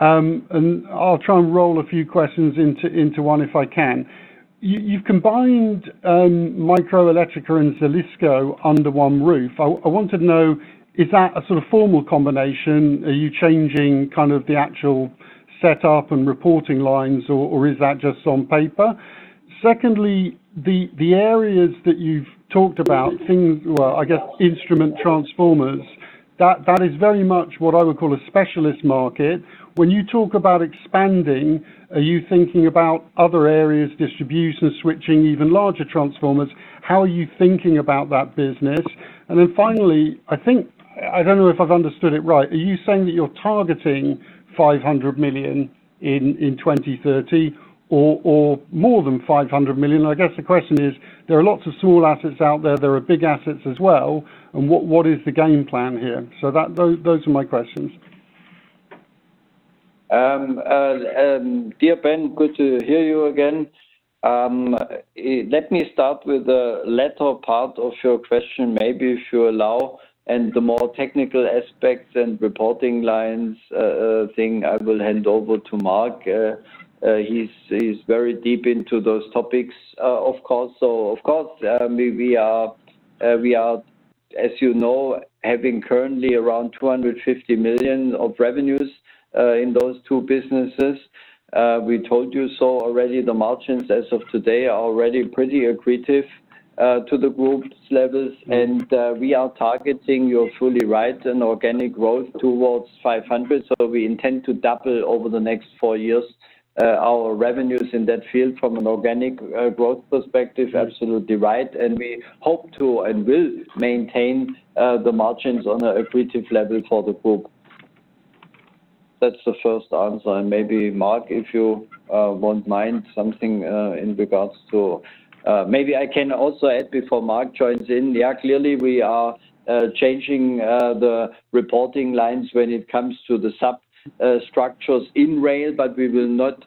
Speaker 9: I'll try and roll a few questions into one if I can. You've combined Microelettrica and Zelisko under one roof. I want to know, is that a sort of formal combination? Are you changing kind of the actual setup and reporting lines, or is that just on paper? Secondly, the areas that you've talked about, things, well, instrument transformers, that is very much what I would call a specialist market. When you talk about expanding, are you thinking about other areas, distribution, switching, even larger transformers? How are you thinking about that business? Finally, I don't know if I've understood it right. Are you saying that you're targeting 500 million in 2030 or more than 500 million? The question is, there are lots of small assets out there are big assets as well, and what is the game plan here? Those are my questions.
Speaker 4: Dear Ben, good to hear you again. Let me start with the latter part of your question, maybe if you allow. The more technical aspects and reporting lines thing I will hand over to Marc. He's very deep into those topics, of course. Of course, we are, as you know, having currently around 250 million of revenues in those two businesses. We told you so already, the margins as of today are already pretty accretive to the group's levels. We are targeting, you're fully right, an organic growth towards 500 million. We intend to double over the next four years our revenues in that field from an organic growth perspective, absolutely right. We hope to, and will, maintain the margins on an accretive level for the group. That's the first answer. Maybe Marc, if you won't mind something in regards to. Maybe I can also add before Marc joins in. Clearly we are changing the reporting lines when it comes to the substructures in rail, but we will not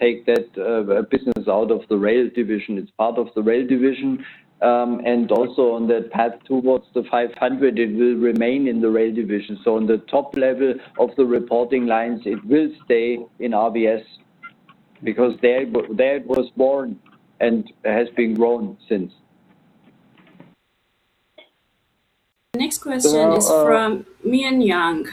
Speaker 4: take that business out of the rail division. It's part of the rail division, and also on that path towards 500 million, it will remain in the rail division. On the top level of the reporting lines, it will stay in RVS because there it was born and has been grown since.
Speaker 1: Next question is from Meihan Yang.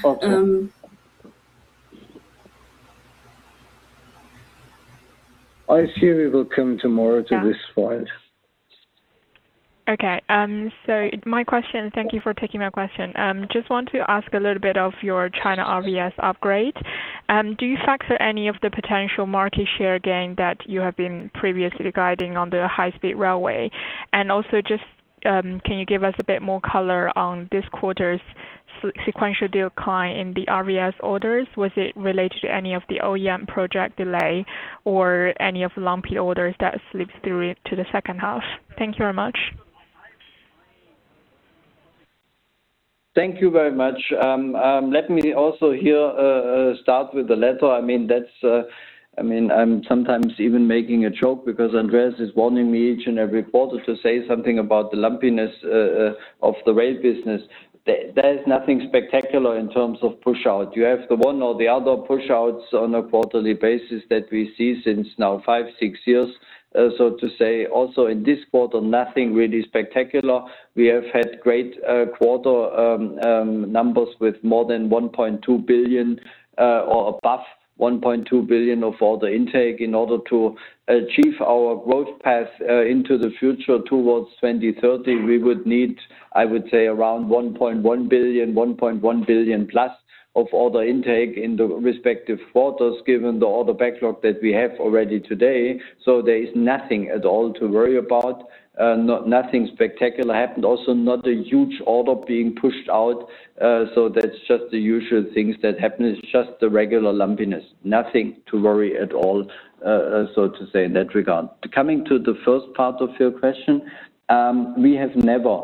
Speaker 3: I assume we will come tomorrow to this point.
Speaker 10: My question, thank you for taking my question. Just want to ask a little bit of your China RVS upgrade. Do you factor any of the potential market share gain that you have been previously guiding on the high-speed railway? And also, can you give us a bit more color on this quarter's sequential decline in the RVS orders? Was it related to any of the OEM project delay or any of lumpy orders that slips through to the H2? Thank you very much.
Speaker 4: Thank you very much. Let me also here start with the latter. I am sometimes even making a joke because Andreas is warning me each and every quarter to say something about the lumpiness of the rail business. There is nothing spectacular in terms of push-out. You have the one or the other push-outs on a quarterly basis that we see since now five, six years. To say also in this quarter, nothing really spectacular. We have had great quarter numbers with more than 1.2 billion or above 1.2 billion of order intake. In order to achieve our growth path into the future towards 2030, we would need, I would say, around 1.1 billion+ of order intake in the respective quarters given the order backlog that we have already today. There is nothing at all to worry about. Nothing spectacular happened. Not a huge order being pushed out. That's just the usual things that happen. It's just the regular lumpiness. Nothing to worry at all, so to say, in that regard. Coming to the first part of your question, we have never,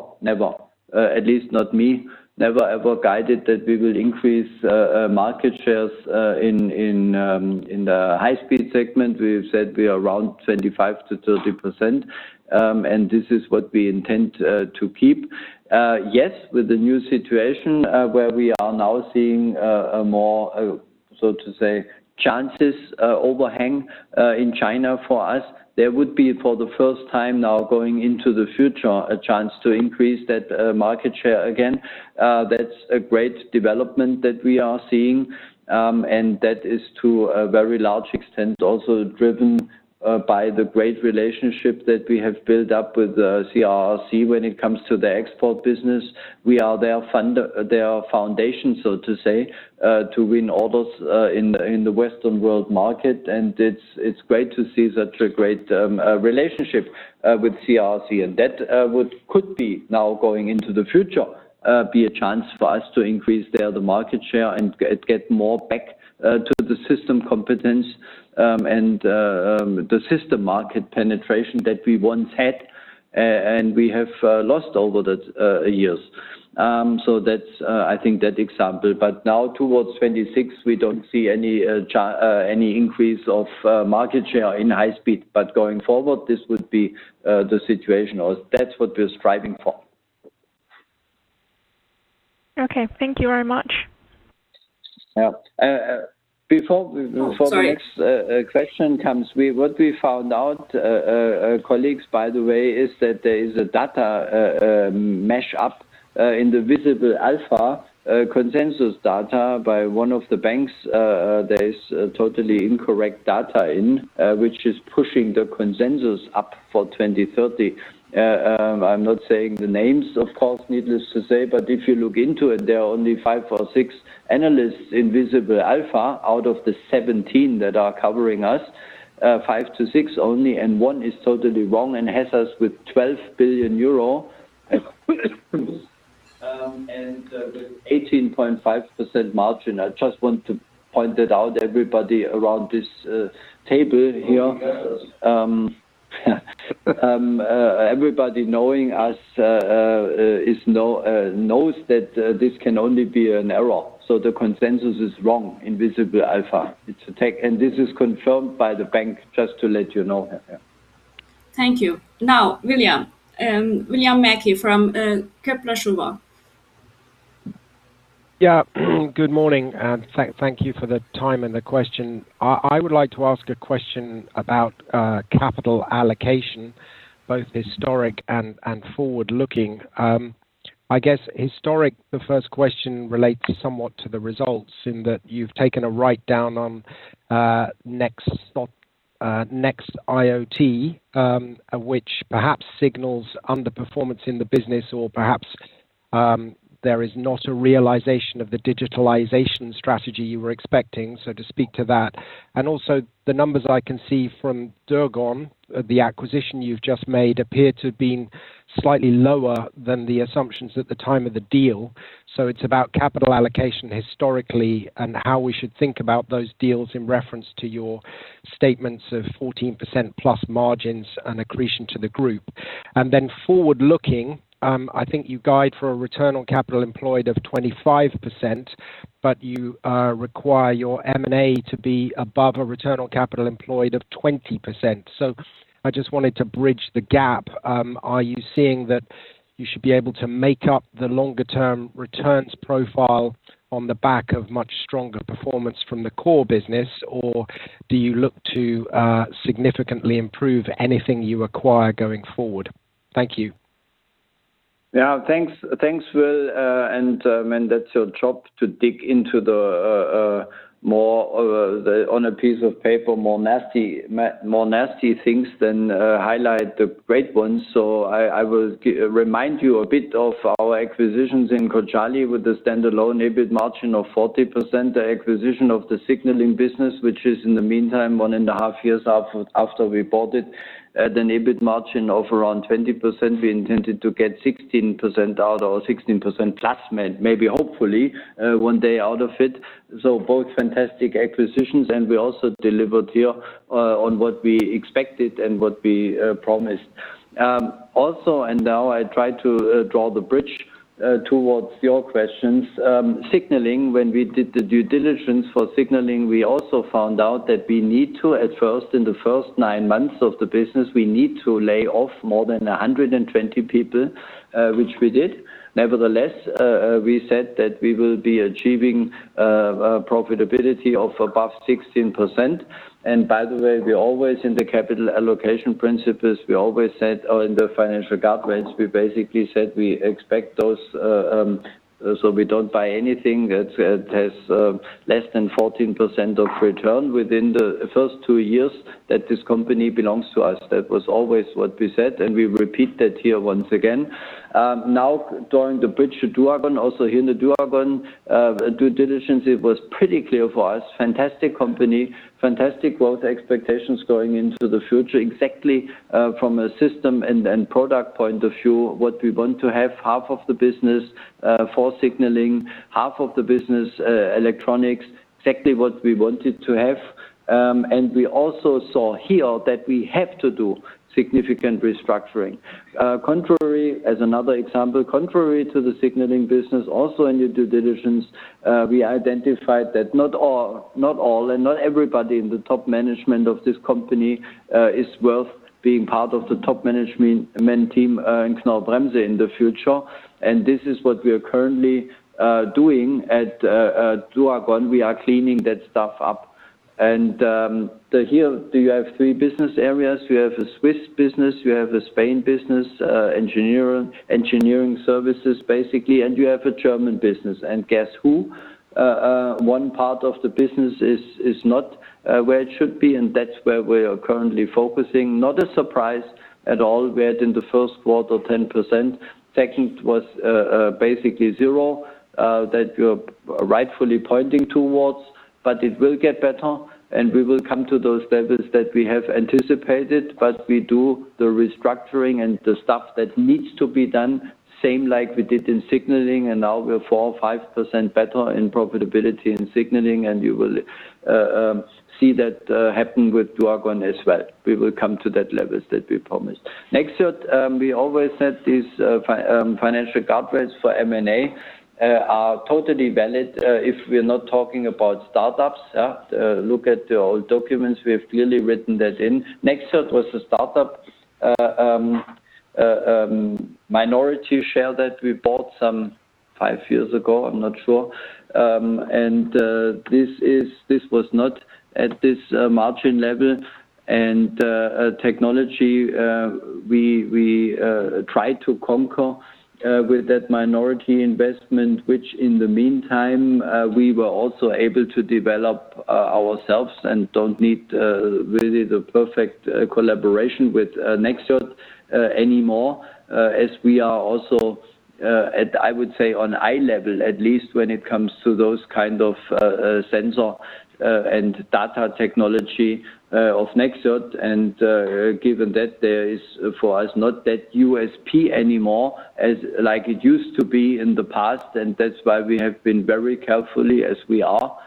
Speaker 4: at least not me, ever guided that we will increase market shares in the high-speed segment. We've said we are around 25%-30%, and this is what we intend to keep. Yes, with the new situation, where we are now seeing more chances overhang in China for us, there would be, for the first time now going into the future, a chance to increase that market share again. That's a great development that we are seeing, and that is to a very large extent also driven by the great relationship that we have built up with CRRC when it comes to the export business. We are their foundation, so to say, to win orders in the Western world market, and it's great to see such a great relationship with CRRC. That could be now going into the future, be a chance for us to increase there the market share and get more back to the system competence, and the system market penetration that we once had and we have lost over the years. That's I think that example, but now towards 2026, we don't see any increase of market share in high speed. Going forward, this would be the situation, or that's what we're striving for.
Speaker 10: Okay. Thank you very much.
Speaker 4: Yeah. Before-
Speaker 10: Sorry-
Speaker 4: What we found out, colleagues, by the way, is that there is a data mashup in the Visible Alpha consensus data by one of the banks. There is totally incorrect data in, which is pushing the consensus up for 2030. I am not saying the names, of course, needless to say, if you look into it, there are only five or six analysts in Visible Alpha out of the 17 that are covering us. Five to six only, one is totally wrong and has us with 12 billion euro and with 18.5% margin. I just want to point that out, everybody around this table here. Everybody knowing us knows that this can only be an error. The consensus is wrong in Visible Alpha. This is confirmed by the bank, just to let you know.
Speaker 1: Thank you. Now, William Mackie from Kepler Cheuvreux.
Speaker 11: Good morning, and thank you for the time and the question. I would like to ask a question about capital allocation, both historic and forward-looking. I guess historic, the first question relates somewhat to the results in that you have taken a write-down on Nexxiot, which perhaps signals underperformance in the business or perhaps there is not a realization of the digitalization strategy you were expecting. To speak to that. Also the numbers I can see from duagon, the acquisition you have just made appeared to have been slightly lower than the assumptions at the time of the deal. It is about capital allocation historically and how we should think about those deals in reference to your statements of 14%+ margins and accretion to the group. Forward-looking, I think you guide for a return on capital employed of 25%, you require your M&A to be above a return on capital employed of 20%. I just wanted to bridge the gap. Are you seeing that you should be able to make up the longer-term returns profile on the back of much stronger performance from the core business? Do you look to significantly improve anything you acquire going forward? Thank you.
Speaker 4: Yeah, thanks, Will. Man, that's your job to dig into on a piece of paper, more nasty things than highlight the great ones. I will remind you a bit of our acquisitions in Cojali with the standalone EBIT margin of 40%, the acquisition of the signaling business, which is in the meantime, one and a half years after we bought it, at an EBIT margin of around 20%, we intended to get 16% out or 16%+, maybe, hopefully one day out of it. Both fantastic acquisitions, and we also delivered here on what we expected and what we promised. Also, now I try to draw the bridge towards your questions. Signaling, when we did the due diligence for signaling, we also found out that we need to, at first, in the first nine months of the business, we need to lay off more than 120 people, which we did. Nevertheless, we said that we will be achieving profitability of above 16%. By the way, we always, in the capital allocation principles, we always said, or in the financial guidelines, we basically said we expect those, so we don't buy anything that has less than 14% of return within the first two years that this company belongs to us. That was always what we said, and we repeat that here once again. Drawing the bridge to duagon, also here in the duagon due diligence, it was pretty clear for us, fantastic company, fantastic growth expectations going into the future. Exactly from a system and product point of view, what we want to have, half of the business for signaling, half of the business, electronics, exactly what we wanted to have. We also saw here that we have to do significant restructuring. Contrary, as another example, contrary to the signaling business, also in the due diligence, we identified that not all, and not everybody in the top management of this company is worth being part of the top management team in Knorr-Bremse in the future. This is what we are currently doing at duagon. We are cleaning that stuff up. Here you have three business areas. You have a Swiss business, you have a Spain business, engineering services, basically, and you have a German business. Guess who? One part of the business is not where it should be, and that's where we are currently focusing. Not a surprise at all. We had in the first quarter 10%. Second was basically zero, that you're rightfully pointing towards, but it will get better, and we will come to those levels that we have anticipated. We do the restructuring and the stuff that needs to be done, same like we did in signaling, and now we're 4% or 5% better in profitability in signaling, and you will see that happen with duagon as well. We will come to that levels that we promised. Nexxiot, we always said these financial guardrails for M&A are totally valid, if we're not talking about startups. Look at the old documents, we have clearly written that in. Nexxiot was a startup, minority share that we bought some five years ago, I'm not sure. This was not at this margin level and technology, we tried to conquer with that minority investment, which in the meantime, we were also able to develop ourselves and don't need really the perfect collaboration with Nexxiot anymore, as we are also at, I would say on eye level, at least when it comes to those kind of sensor and data technology of Nexxiot. Given that there is for us not that USP anymore as like it used to be in the past, and that's why we have been very carefully as we are,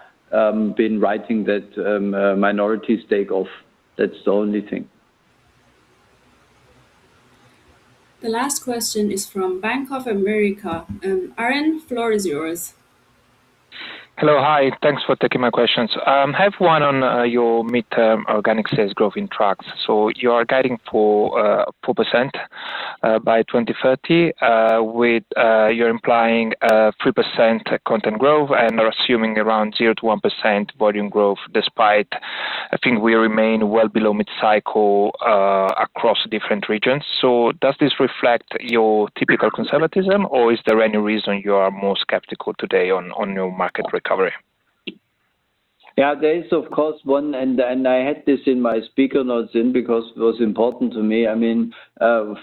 Speaker 4: been writing that minority stake off. That's the only thing.
Speaker 1: The last question is from Bank of America. Alex, floor is yours.
Speaker 12: Hello. Hi. Thanks for taking my questions. I have one on your midterm organic sales growth in trucks. You are guiding for 4% by 2030, with you're implying 3% content growth and are assuming around 0-1% volume growth despite I think we remain well below mid-cycle across different regions. Does this reflect your typical conservatism, or is there any reason you are more skeptical today on your market recovery?
Speaker 4: There is of course one. I had this in my speaker notes in because it was important to me.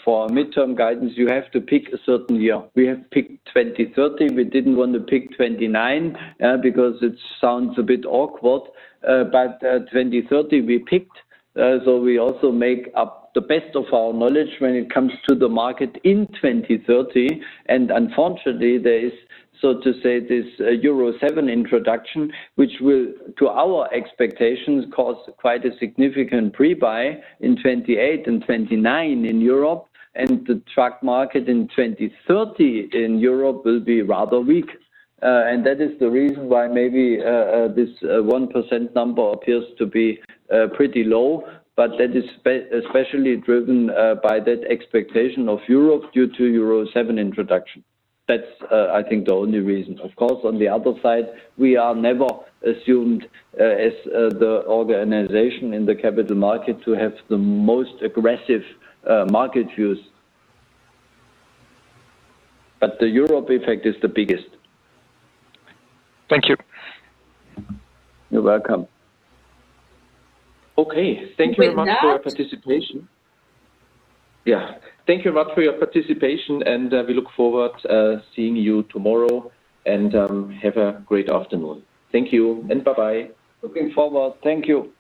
Speaker 4: For midterm guidance, you have to pick a certain year. We have picked 2030. We didn't want to pick 2029 because it sounds a bit awkward. 2030 we picked, we also make up the best of our knowledge when it comes to the market in 2030. Unfortunately, there is, so to say, this Euro 7 introduction, which will, to our expectations, cause quite a significant pre-buy in 2028 and 2029 in Europe, and the truck market in 2030 in Europe will be rather weak. That is the reason why maybe this 1% number appears to be pretty low, but that is especially driven by that expectation of Europe due to Euro 7 introduction. That's I think the only reason. Of course, on the other side, we are never assumed as the organization in the capital market to have the most aggressive market views. The Europe effect is the biggest.
Speaker 12: Thank you.
Speaker 4: You're welcome.
Speaker 2: Okay. Thank you very much for your participation. Thank you very much for your participation, and we look forward seeing you tomorrow, and have a great afternoon. Thank you, and bye-bye.
Speaker 4: Looking forward. Thank you.